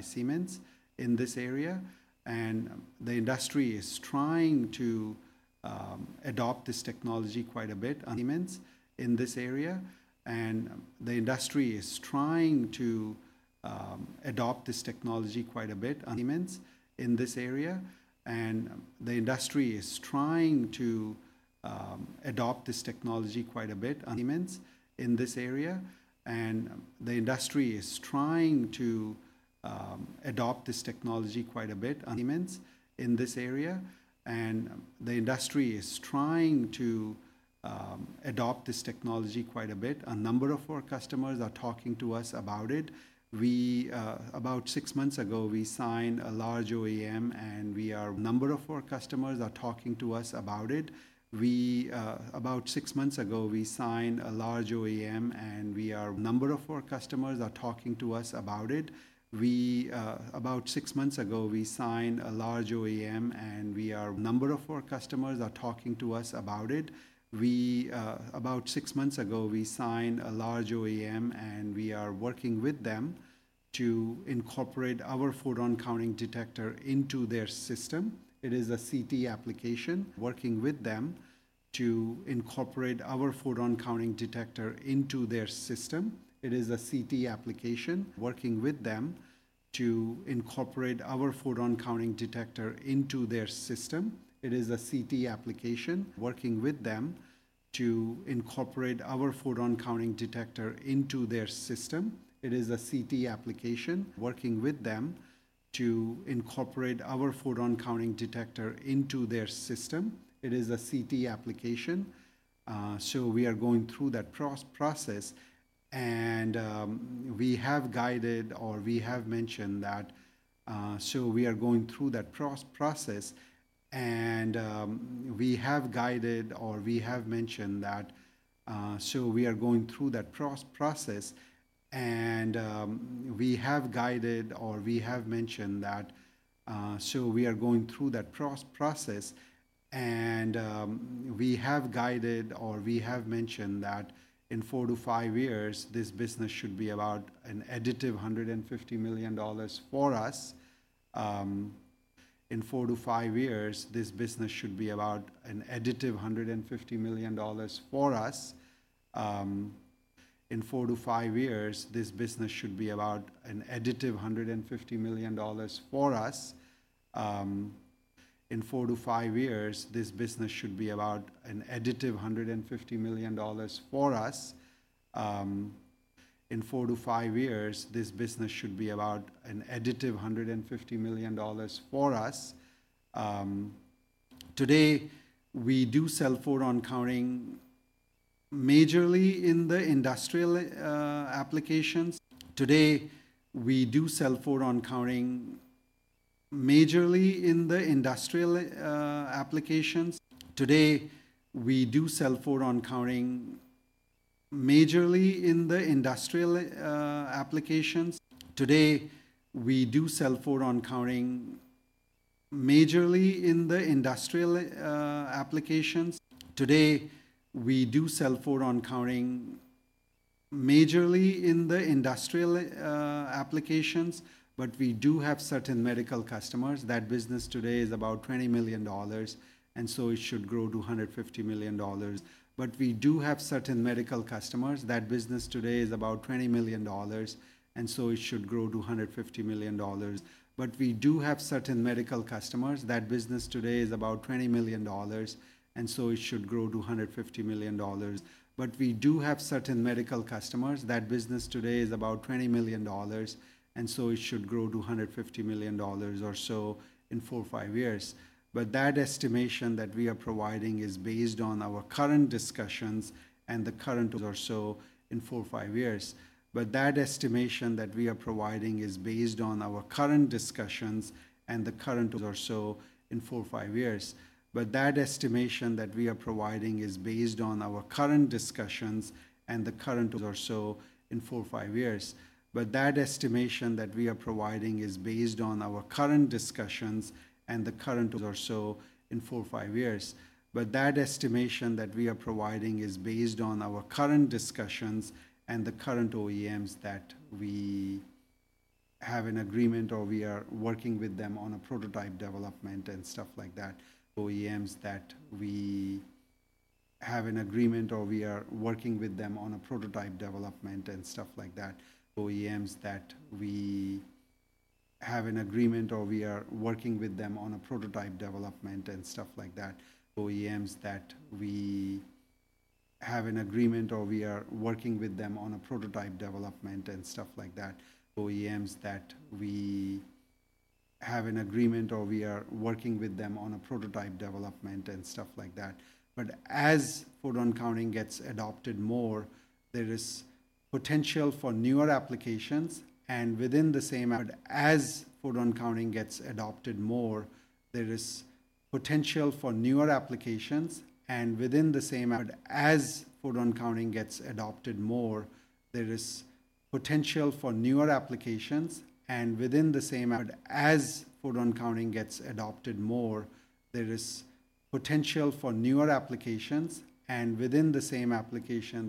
Siemens in this area, and the industry is trying to adopt this technology quite a bit. A number of our customers are talking to us about it. We, about 6 months ago, we signed a large OEM, and we are working with them to incorporate our photon counting detector into their system. It is a CT application. It is a CT application working with them to incorporate our photon-counting detector into their system. It is a CT application, so we are going through that process and, we have guided or we have mentioned that in 4-5 years, this business should be about an additive $150 million for us. In 4-5 years, this business should be about an additional $150 million for us. Today, we do sell photon counting majorly in the industrial applications, but we do have certain medical customers. That business today is about $20 million, and so it should grow to $150 million. But we do have certain medical customers. That business today is about $20 million, and so it should grow to $150 million or so in four or five years. But that estimation that we are providing is based on our current discussions and the current. But that estimation that we are providing is based on our current discussions and the current OEMs that we have an agreement, or we are working with them on a prototype development and stuff like that. But as photon counting gets adopted more, there is potential for newer applications, and within the same application,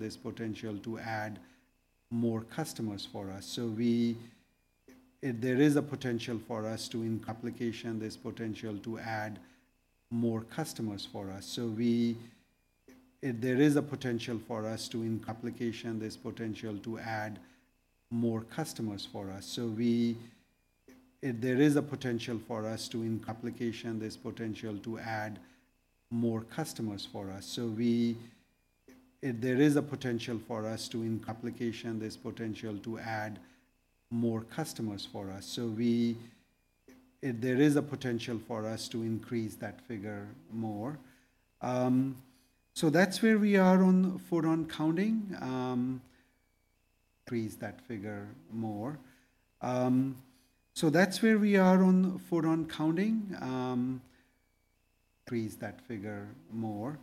there's potential to add more customers for us. So there is a potential for us to increase that figure more. So that's where we are on photon counting. Increase that figure more. So that's where we are on photon counting. Increase that figure more.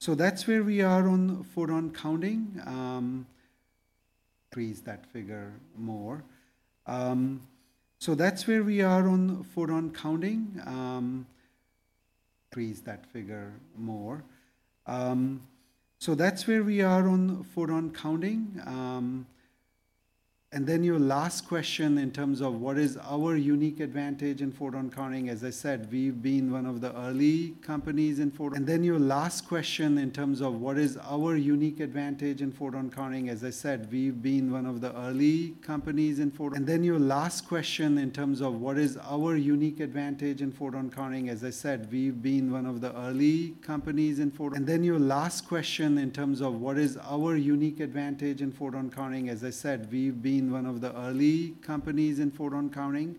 So that's where we are on photon counting. Increase that figure more. So that's where we are on photon counting. Then your last question in terms of what is our unique advantage in photon counting, as I said, we've been one of the early companies in photon counting.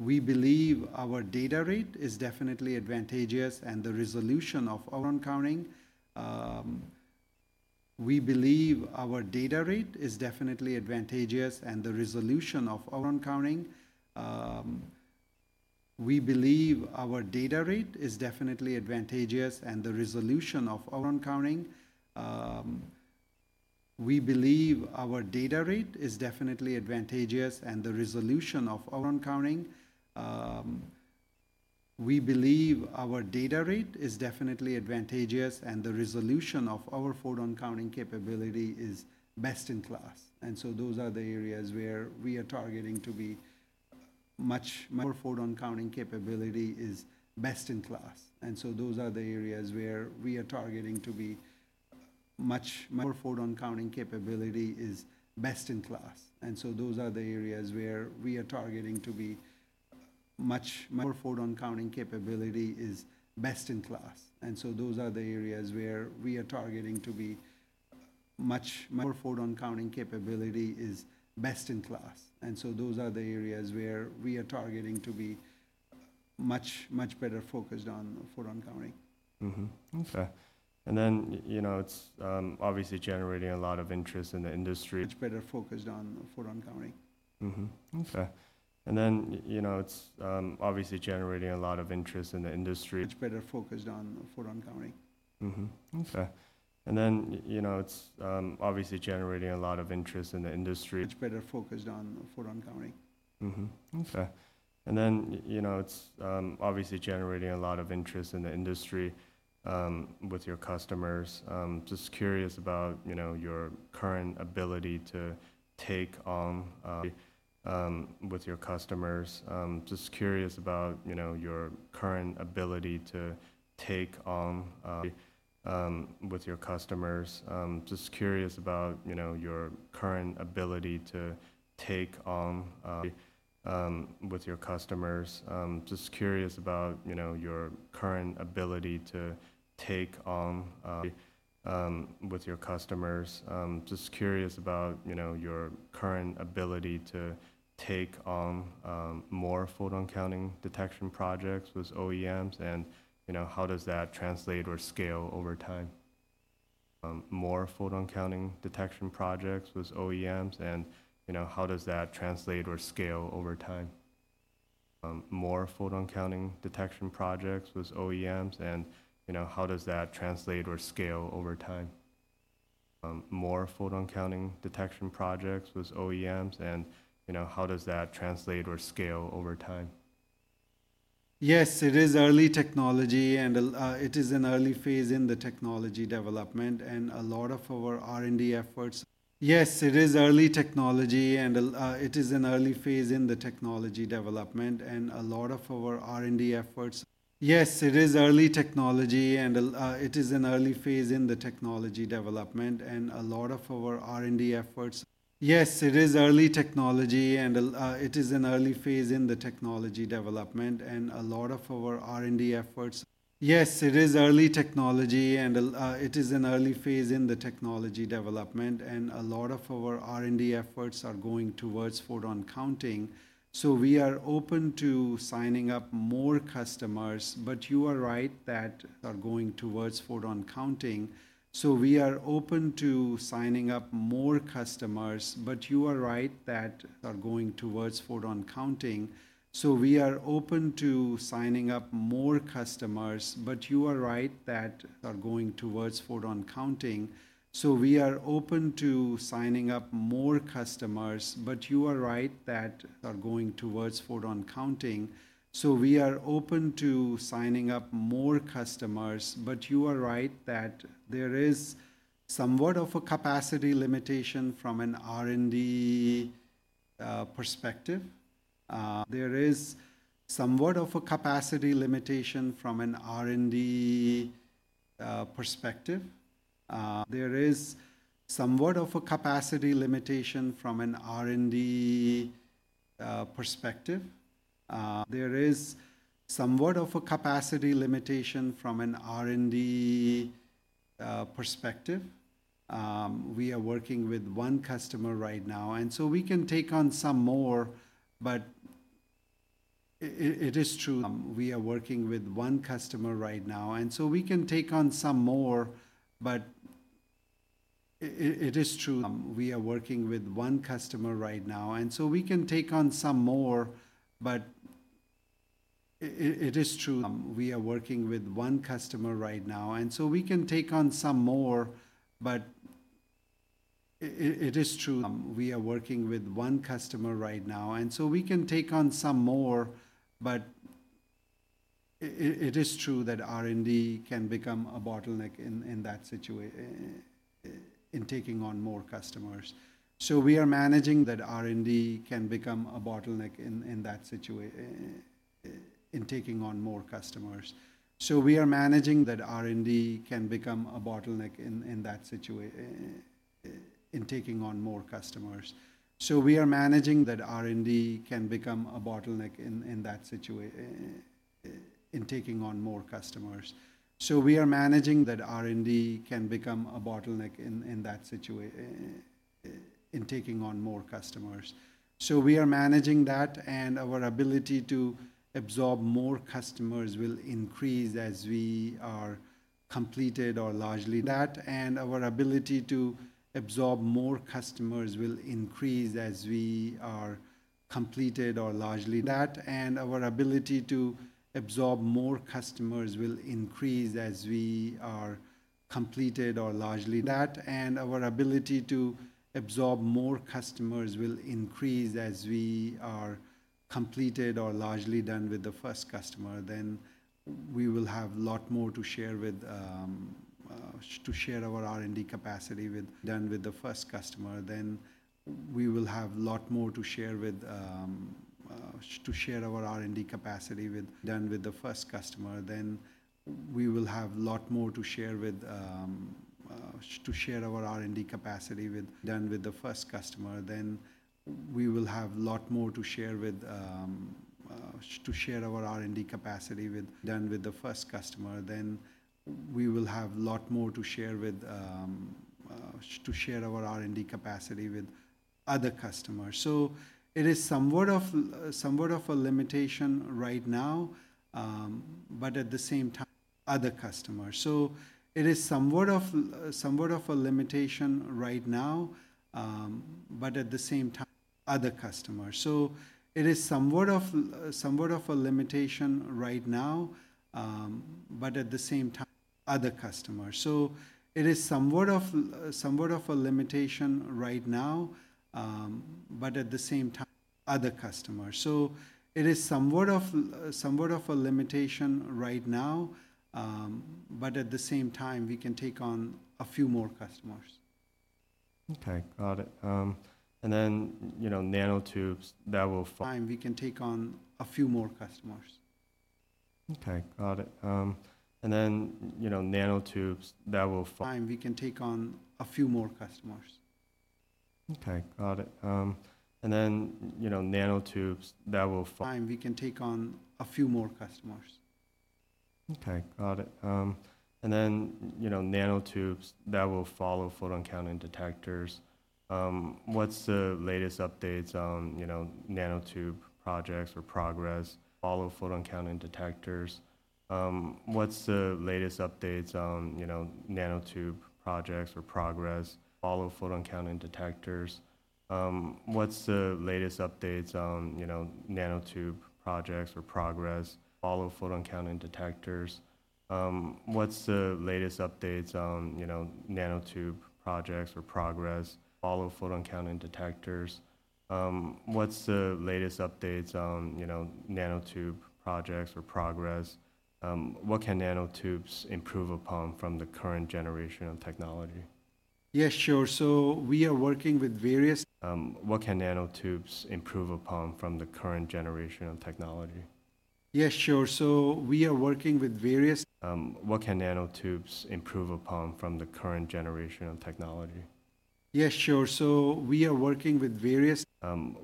We believe our data rate is definitely advantageous, and the resolution of our counting... We believe our data rate is definitely advantageous, and the resolution of our photon counting capability is best in class. And so those are the areas where we are targeting to be much, much better focused on photon counting. Mm-hmm. Okay. And then, you know, it's obviously generating a lot of interest in the industry. Much better focused on photon counting. Mm-hmm. Okay. And then, you know, it's obviously generating a lot of interest in the industry. Much better focused on photon counting. Mm-hmm. Okay. And then, you know, it's obviously generating a lot of interest in the industry. Much better focused on photon counting. Mm-hmm. Okay. And then, you know, it's obviously generating a lot of interest in the industry with your customers. Just curious about, you know, your current ability to take on more photon counting detection projects with OEMs, and, you know, how does that translate or scale over time? more photon counting detection projects with OEMs, and, you know, how does that translate or scale over time? Yes, it is early technology, and it is an early phase in the technology development, and a lot of our R&D efforts are going towards photon counting. So we are open to signing up more customers, but you are right that are going towards photon counting. So we are open to signing up more customers, but you are right that we are going towards photon counting. There is somewhat of a capacity limitation from an R&D perspective. We are working with one customer right now, and so we can take on some more, but it is true. We are working with one customer right now, and so we can take on some more, but it is true that R&D can become a bottleneck in taking on more customers. So we are managing that. So we are managing that R&D can become a bottleneck in that situation in taking on more customers. So we are managing that, and our ability to absorb more customers will increase as we are completed or largely done with the first customer, then we will have a lot more to share with to share our R&D capacity with. Done with the first customer, then we will have a lot more to share with to share our R&D capacity with other customers. So it is somewhat of a limitation right now, but at the same time, other customers. So it is somewhat of a limitation right now, but at the same time, we can take on a few more customers. Okay, got it. And then, you know, nanotubes that will follow- Time, we can take on a few more customers. Okay, got it. And then, you know, nanotubes that will follow- Time, we can take on a few more customers. Okay, got it. And then, you know, nanotubes that will follow- Time, we can take on a few more customers. Okay, got it. And then, you know, nanotubes that will follow photon counting detectors. What's the latest updates on, you know, nanotube projects or progress? Follow photon counting detectors. What's the latest updates on, you know, nanotube projects or progress? Follow photon counting detectors. What's the latest updates on, you know, nanotube projects or progress? Follow photon counting detectors. What's the latest updates on, you know, nanotube projects or progress? Follow photon counting detectors. What's the latest updates on, you know, nanotube projects or progress? What can nanotubes improve upon from the current generation of technology? Yeah, sure. So we are working with various- What can nanotubes improve upon from the current generation of technology? Yeah, sure. So we are working with various- What can nanotubes improve upon from the current generation of technology? Yeah, sure. So we are working with various-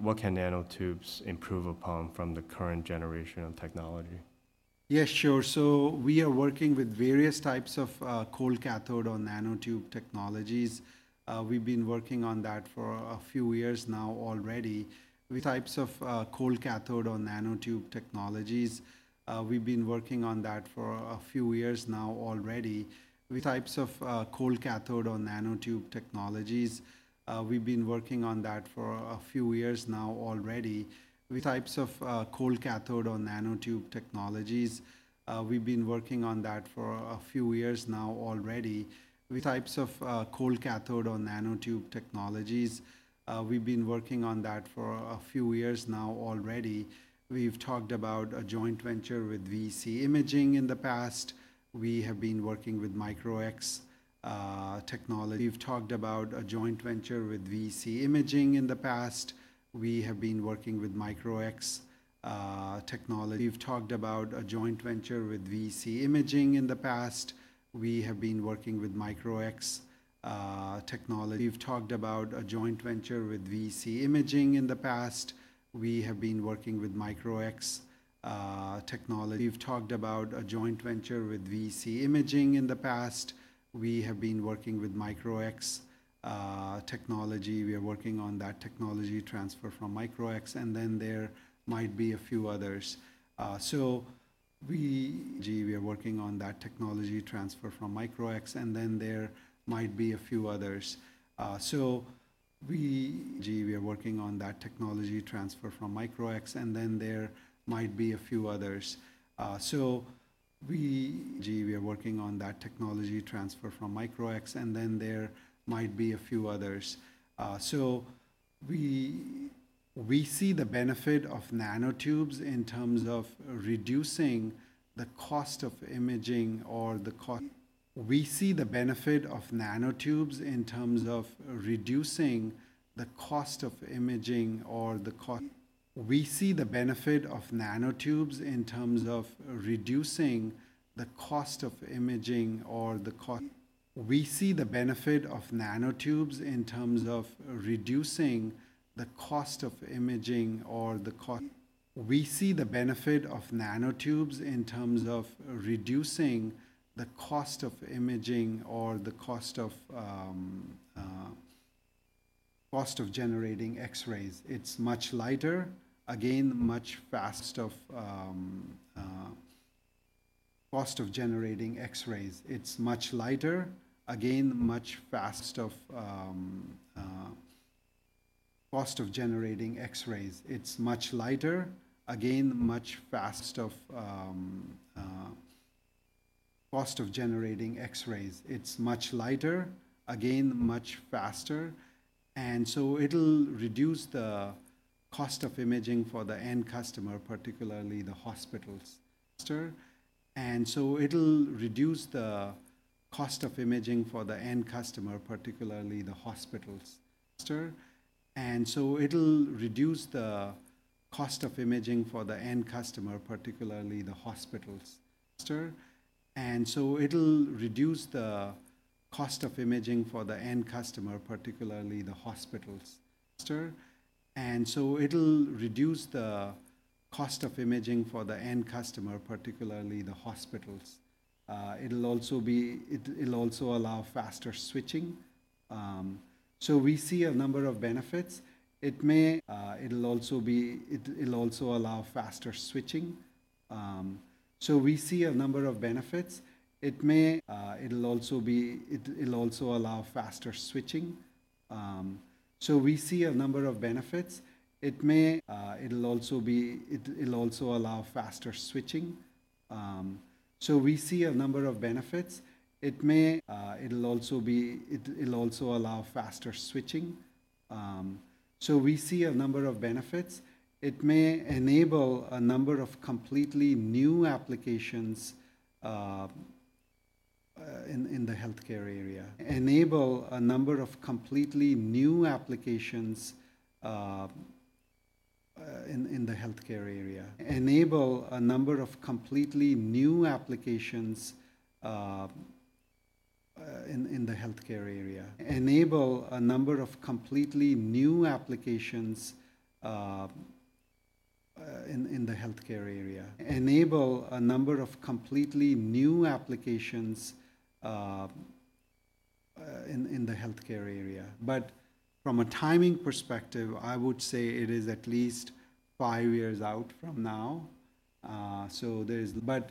What can nanotubes improve upon from the current generation of technology? Yeah, sure. So we are working with various types of, cold cathode or nanotube technologies. We've been working on that for a few years now already. With types of, cold cathode or nanotube technologies, we've been working on that for a few years now already. With types of, cold cathode or nanotube technologies, we've been working on that for a few years now already. With types of, cold cathode or nanotube technologies, we've been working on that for a few years now already. We've talked about a joint venture with VEC Imaging in the past. We have been working with Micro-X Technology. We've talked about a joint venture with VEC Imaging in the past. We have been working with Micro-X Technology. We've talked about a joint venture with VEC Imaging in the past. We have been working with Micro-X Technology. We've talked about a joint venture with VEC Imaging in the past. We are working on that technology transfer from Micro-X, and then there might be a few others. So we see the benefit of nanotubes in terms of reducing the cost of imaging or the cost of generating X-rays. It's much lighter, again, much faster, and so it'll reduce the cost of imaging for the end customer, particularly the hospitals, faster. And so it'll reduce the cost of imaging for the end customer, particularly the hospitals, faster. It'll also allow faster switching. So we see a number of benefits. It may... It'll also allow faster switching. So we see a number of benefits. It may enable a number of completely new applications in the healthcare area. But from a timing perspective, I would say it is at least five years out from now. But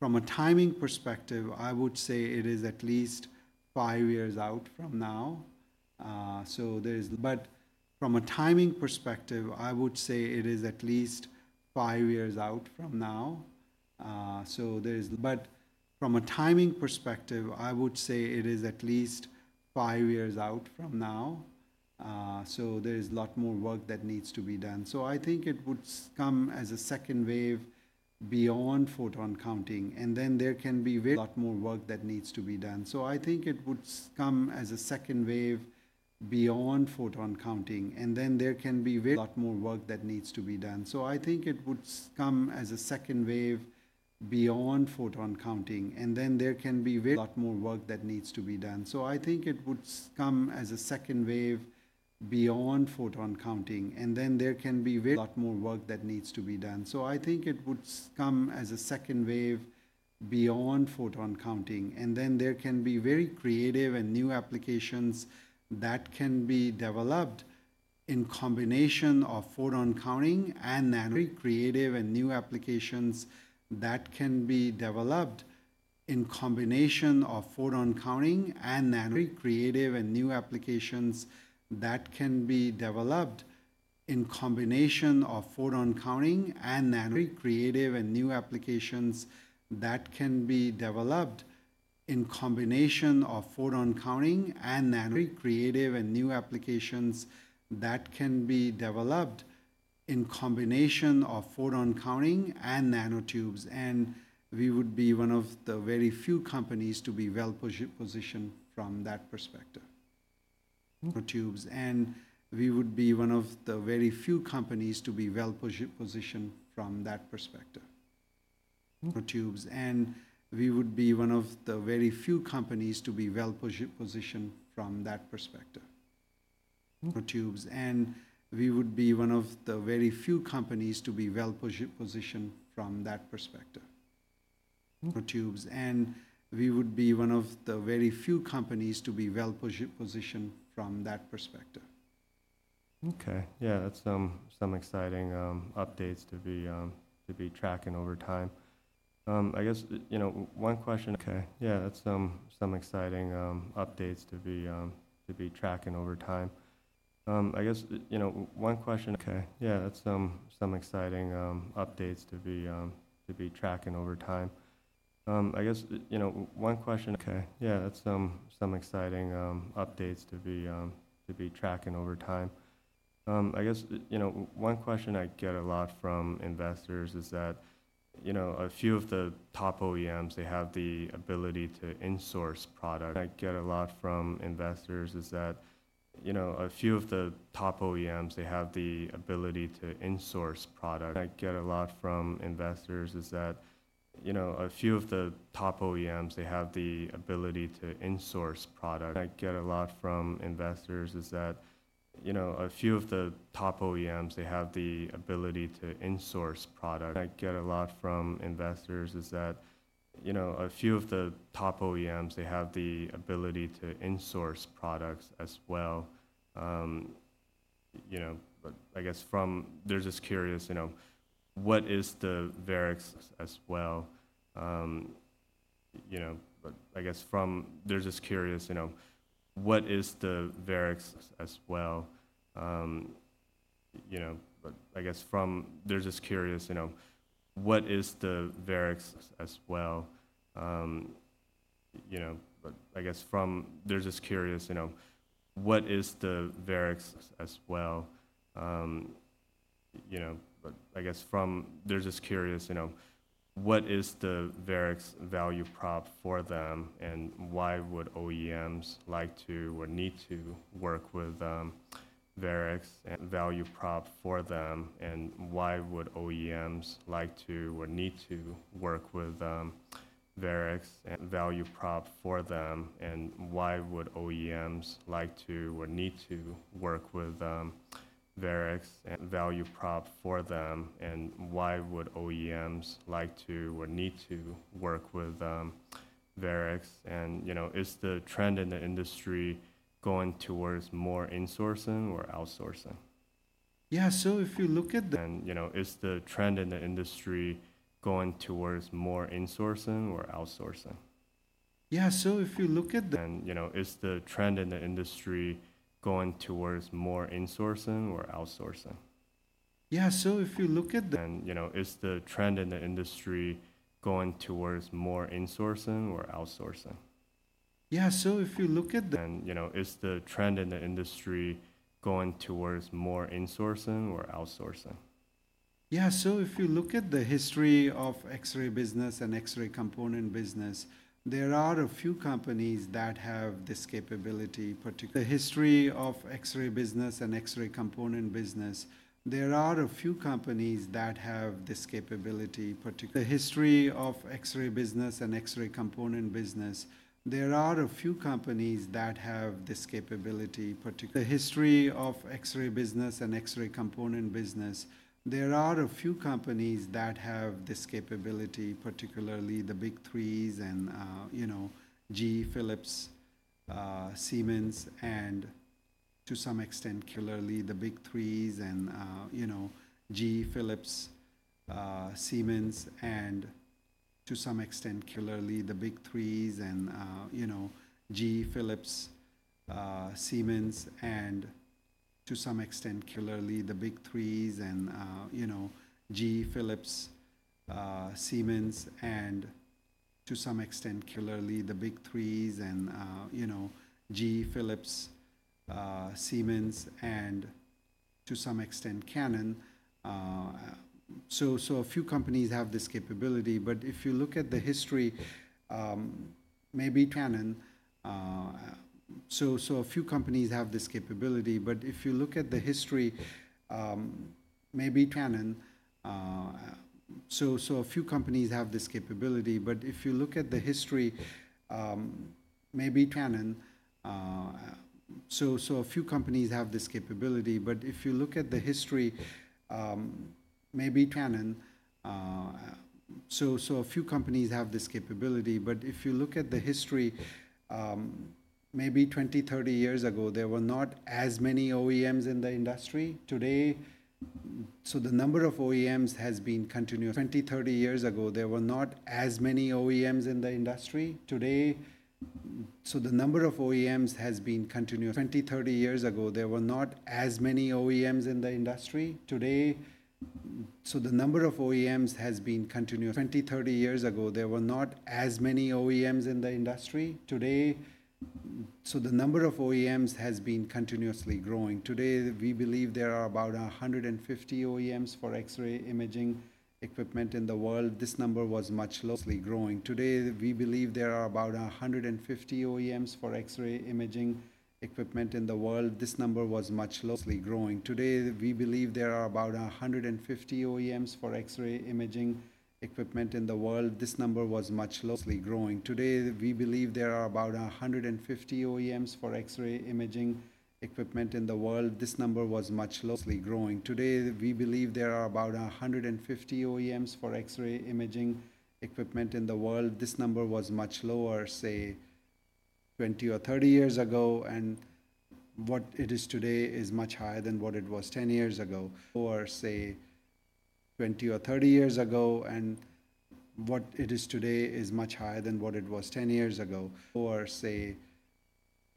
from a timing perspective, I would say it is at least five years out from now. So there is a lot more work that needs to be done. So I think it would come as a second wave beyond photon counting, and then there can be very lot more work that needs to be done. So I think it would come as a second wave beyond photon counting, and then there can be very creative and new applications that can be developed in combination of photon counting and nanotubes, and we would be one of the very few companies to be well positioned from that perspective. Nanotubes, and we would be one of the very few companies to be well positioned from that perspective. Okay. Yeah, that's some exciting updates to be tracking over time. I guess, you know, one question I get a lot from investors is that, you know, a few of the top OEMs, they have the ability to insource products. I get a lot from investors is that, you know, a few of the top OEMs, they have the ability to insource products as well. You know, but I guess from... They're just curious, you know, what is the Varex as well? You know, but I guess from... They're just curious, you know, what is the Varex value prop for them, and why would OEMs like to or need to work with Varex? And, you know, is the trend in the industry going towards more insourcing or outsourcing? Yeah. So if you look at the- You know, is the trend in the industry going towards more insourcing or outsourcing? Yeah. So if you look at the- Then, you know, is the trend in the industry going towards more insourcing or outsourcing? Yeah. So if you look at the- You know, is the trend in the industry going toward more insourcing or outsourcing? Yeah. So if you look at the- You know, is the trend in the industry going towards more insourcing or outsourcing? Yeah. So if you look at the history of X-ray business and X-ray component business, there are a few companies that have this capability, particularly the Big Three and, you know, GE, Philips, Siemens, and to some extent, Canon. So a few companies have this capability, but if you look at the history, maybe Canon. So a few companies have this capability, but if you look at the history, maybe Canon. Twenty, thirty years ago, there were not as many OEMs in the industry. Today, the number of OEMs has been continuing. Twenty, thirty years ago, there were not as many OEMs in the industry. Today, the number of OEMs has been continued. Today, so the number of OEMs has been continuously growing. Today, we believe there are about 150 OEMs for X-ray imaging equipment in the world. This number was much lower, say, 20 or 30 years ago, and what it is today is much higher than what it was 10 years ago, or say... 20 or 30 years ago, and what it is today is much higher than what it was 10 years ago, or say,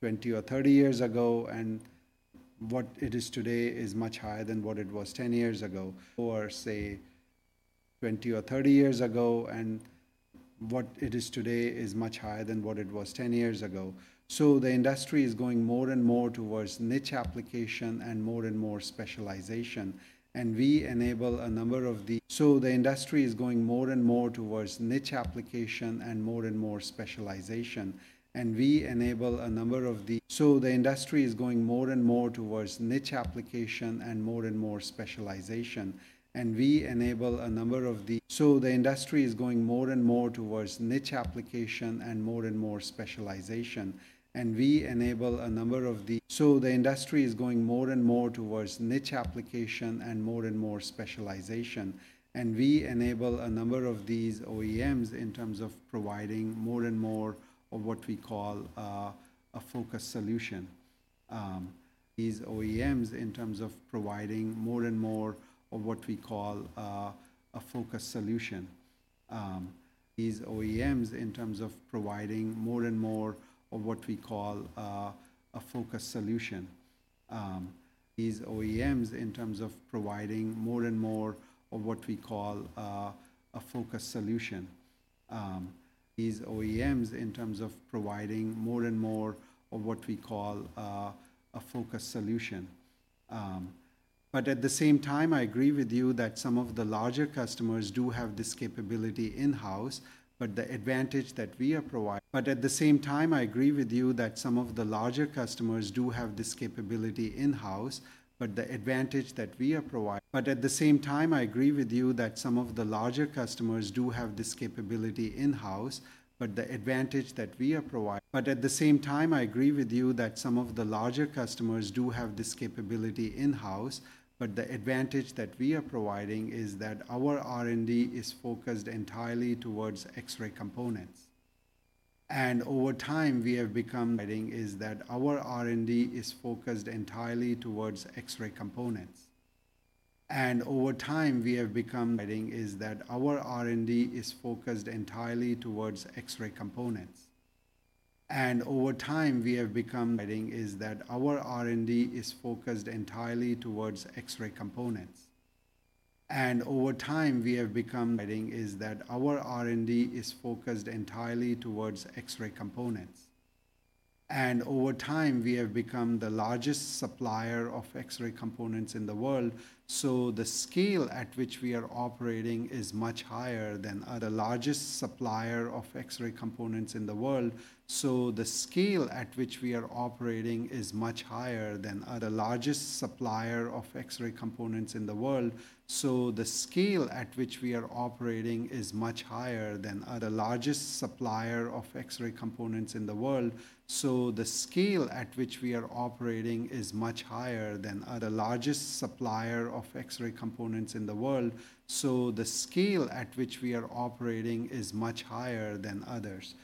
20 or 30 years ago, and what it is today is much higher than what it was 10 years ago, or say, 20 or 30 years ago, and what it is today is much higher than what it was 10 years ago. So the industry is going more and more towards niche application and more and more specialization, and we enable a number of these OEMs in terms of providing more and more of what we call a focused solution. These OEMs in terms of providing more and more of what we call a focused solution. These OEMs in terms of providing more and more of what we call a focused solution. But at the same time, I agree with you that some of the larger customers do have this capability in-house, but the advantage that we are providing is that our R&D is focused entirely toward X-ray components. And over time, we have become. Is that our R&D is focused entirely toward X-ray components. And over time, we have become the largest supplier of X-ray components in the world. So the scale at which we are operating is much higher than others.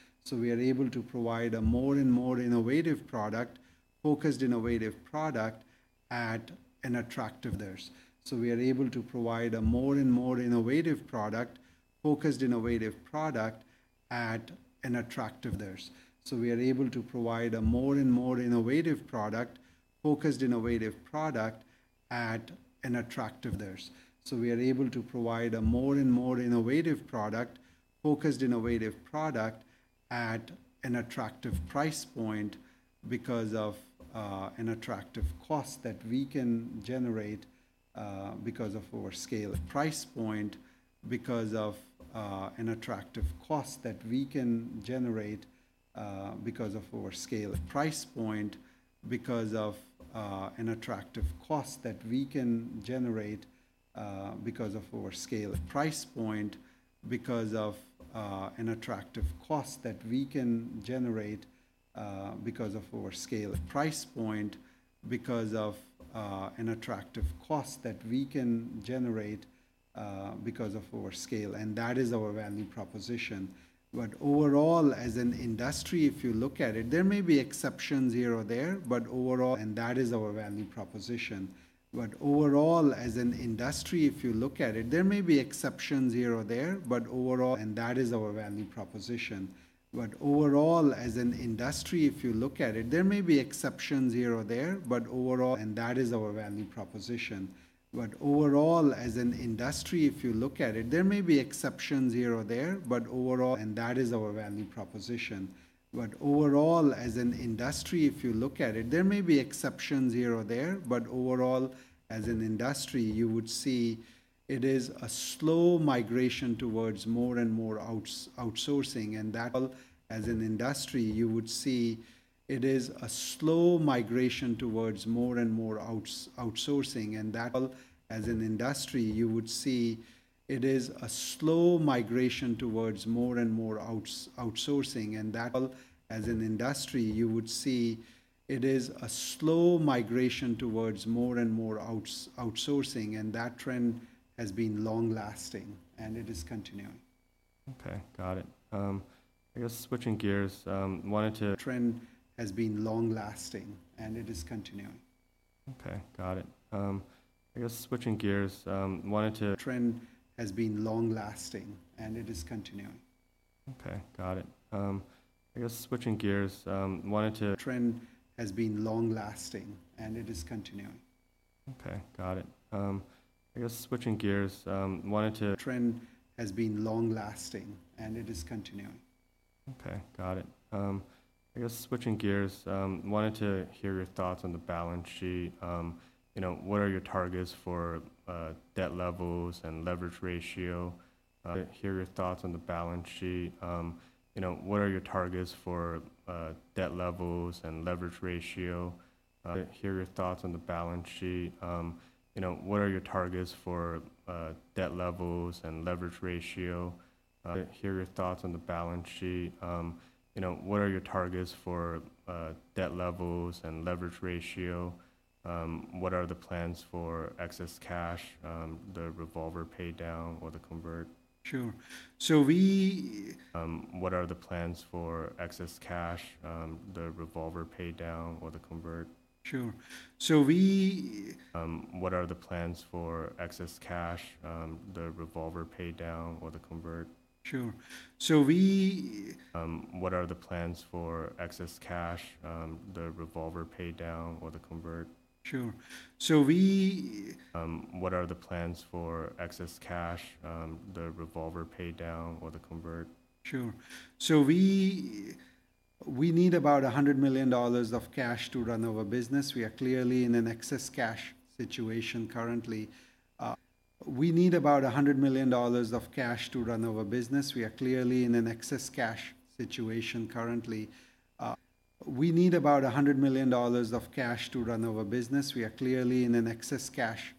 So we are able to provide a more and more innovative product, focused innovative product at an attractive price point because of an attractive cost that we can generate because of our scale. And that is our value proposition. But overall, as an industry, if you look at it, there may be exceptions here or there, but overall, and that is our value proposition. But overall, as an industry, if you look at it, there may be exceptions here or there, but overall, and that is our value proposition. But overall, as an industry, if you look at it, there may be exceptions here or there, but overall, and that is our value proposition. But overall, as an industry, if you look at it, there may be exceptions here or there, but overall... and that is our value proposition. But overall, as an industry, if you look at it, there may be exceptions here or there, but overall, as an industry, you would see it is a slow migration towards more and more outsourcing, and that trend has been long-lasting, and it is continuing.... Okay, got it. I guess switching gears, wanted to- The trend has been long lasting and it is continuing. Okay, got it. I guess switching gears, wanted to- The trend has been long lasting and it is continuing. Okay, got it. I guess switching gears, wanted to- The trend has been long lasting and it is continuing. Okay, got it. I guess switching gears, wanted to- The trend has been long lasting and it is continuing. Okay, got it. I guess switching gears, wanted to hear your thoughts on the balance sheet. You know, what are your targets for debt levels and leverage ratio? What are the plans for excess cash, the revolver pay down or the convert? Sure. So we- What are the plans for excess cash, the revolver pay down or the convert? Sure. So we- What are the plans for excess cash, the revolver pay down or the convert? Sure. So we- What are the plans for excess cash, the revolver pay down or the convert? Sure. So we- What are the plans for excess cash, the revolver pay down or the convert? Sure. So we need about $100 million of cash to run our business. We are clearly in an excess cash situation currently. We need about $100 million of cash to run our business. We are clearly in an excess cash situation currently. We need about $100 million of cash to run our business. We are clearly in an excess cash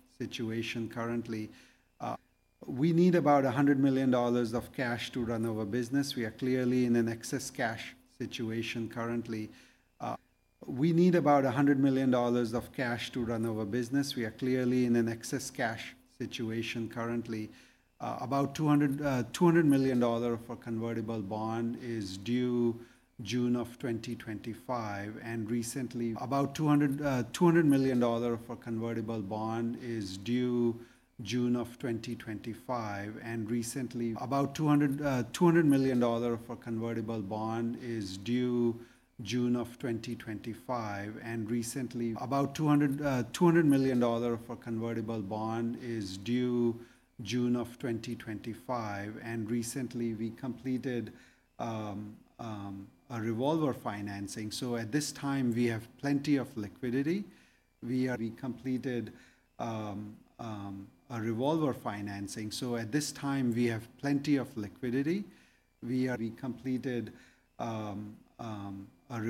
situation currently. We need about $100 million of cash to run our business. We are clearly in an excess cash situation currently. We need about $100 million of cash to run our business. We are clearly in an excess cash situation currently. About $200 million for convertible bond is due June of 2025, and recently we completed a revolver financing. So at this time, we have plenty of liquidity. We completed a revolver financing. So at this time, we have plenty of liquidity. We are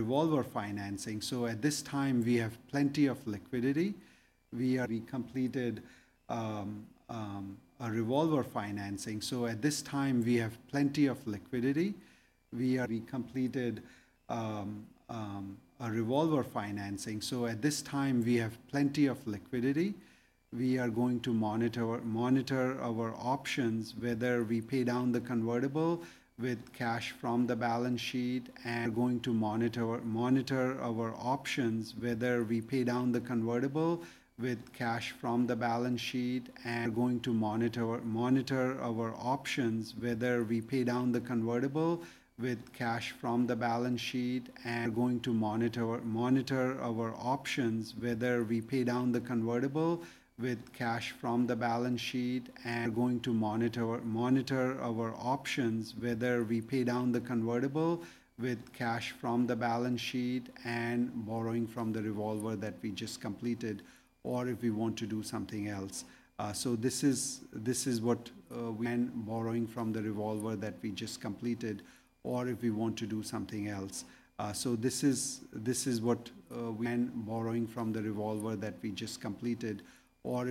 going to monitor our options, whether we pay down the convertible with cash from the balance sheet and borrowing from the revolver that we just completed or if we want to do something else. So this is what, when borrowing from the revolver that we just completed or if we want to do something else, we are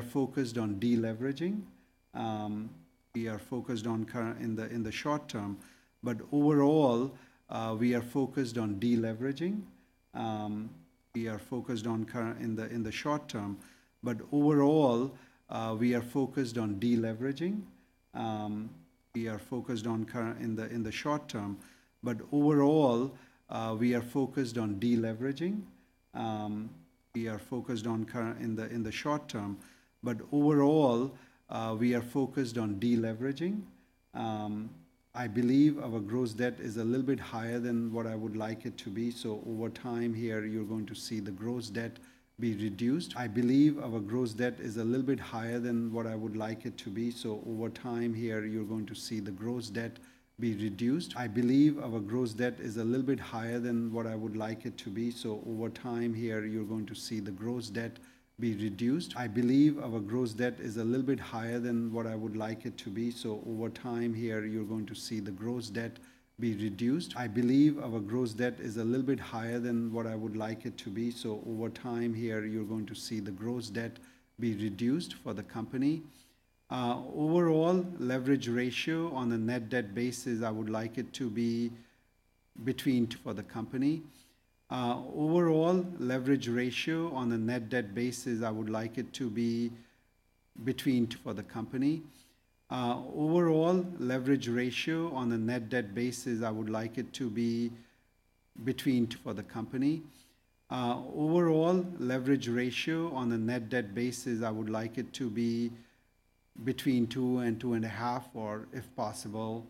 focused on currently in the short term. But overall, we are focused on deleveraging. I believe our gross debt is a little bit higher than what I would like it to be. So over time here, you're going to see the gross debt be reduced. I believe our gross debt is a little bit higher than what I would like it to be. So over time here, you're going to see the gross debt be reduced. I believe our gross debt is a little bit higher than what I would like it to be. So over time here, you're going to see the gross debt be reduced. I believe our gross debt is a little bit higher than what I would like it to be. So over time here, you're going to see the gross debt be reduced. I believe our gross debt is a little bit higher than what I would like it to be. So over time here, you're going to see the gross debt be reduced for the company. Overall, leverage ratio on a net debt basis, I would like it to be between 2 for the company. Overall leverage ratio on the net debt basis, I would like it to be between 2 for the company. Overall leverage ratio on the net debt basis, I would like it to be between 2 and 2.5, or if possible,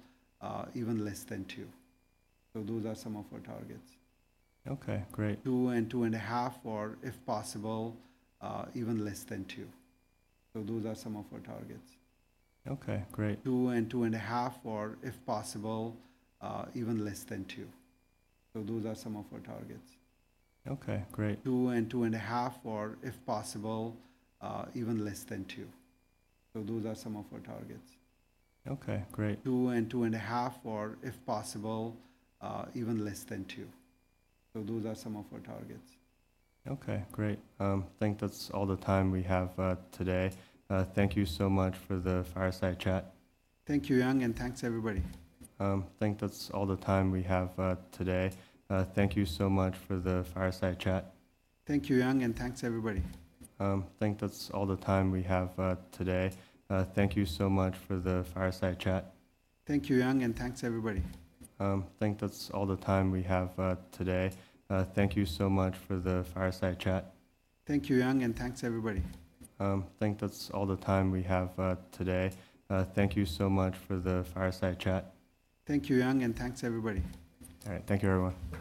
even less than 2. So those are some of our targets. Okay, great. 2 and 2.5, or if possible, even less than 2. So those are some of our targets. Okay, great. 2 and 2.5, or if possible, even less than 2. So those are some of our targets. Okay, great. 2 and 2.5, or if possible, even less than 2. So those are some of our targets. Okay, great. 2 and 2.5, or if possible, even less than 2. So those are some of our targets. Okay, great.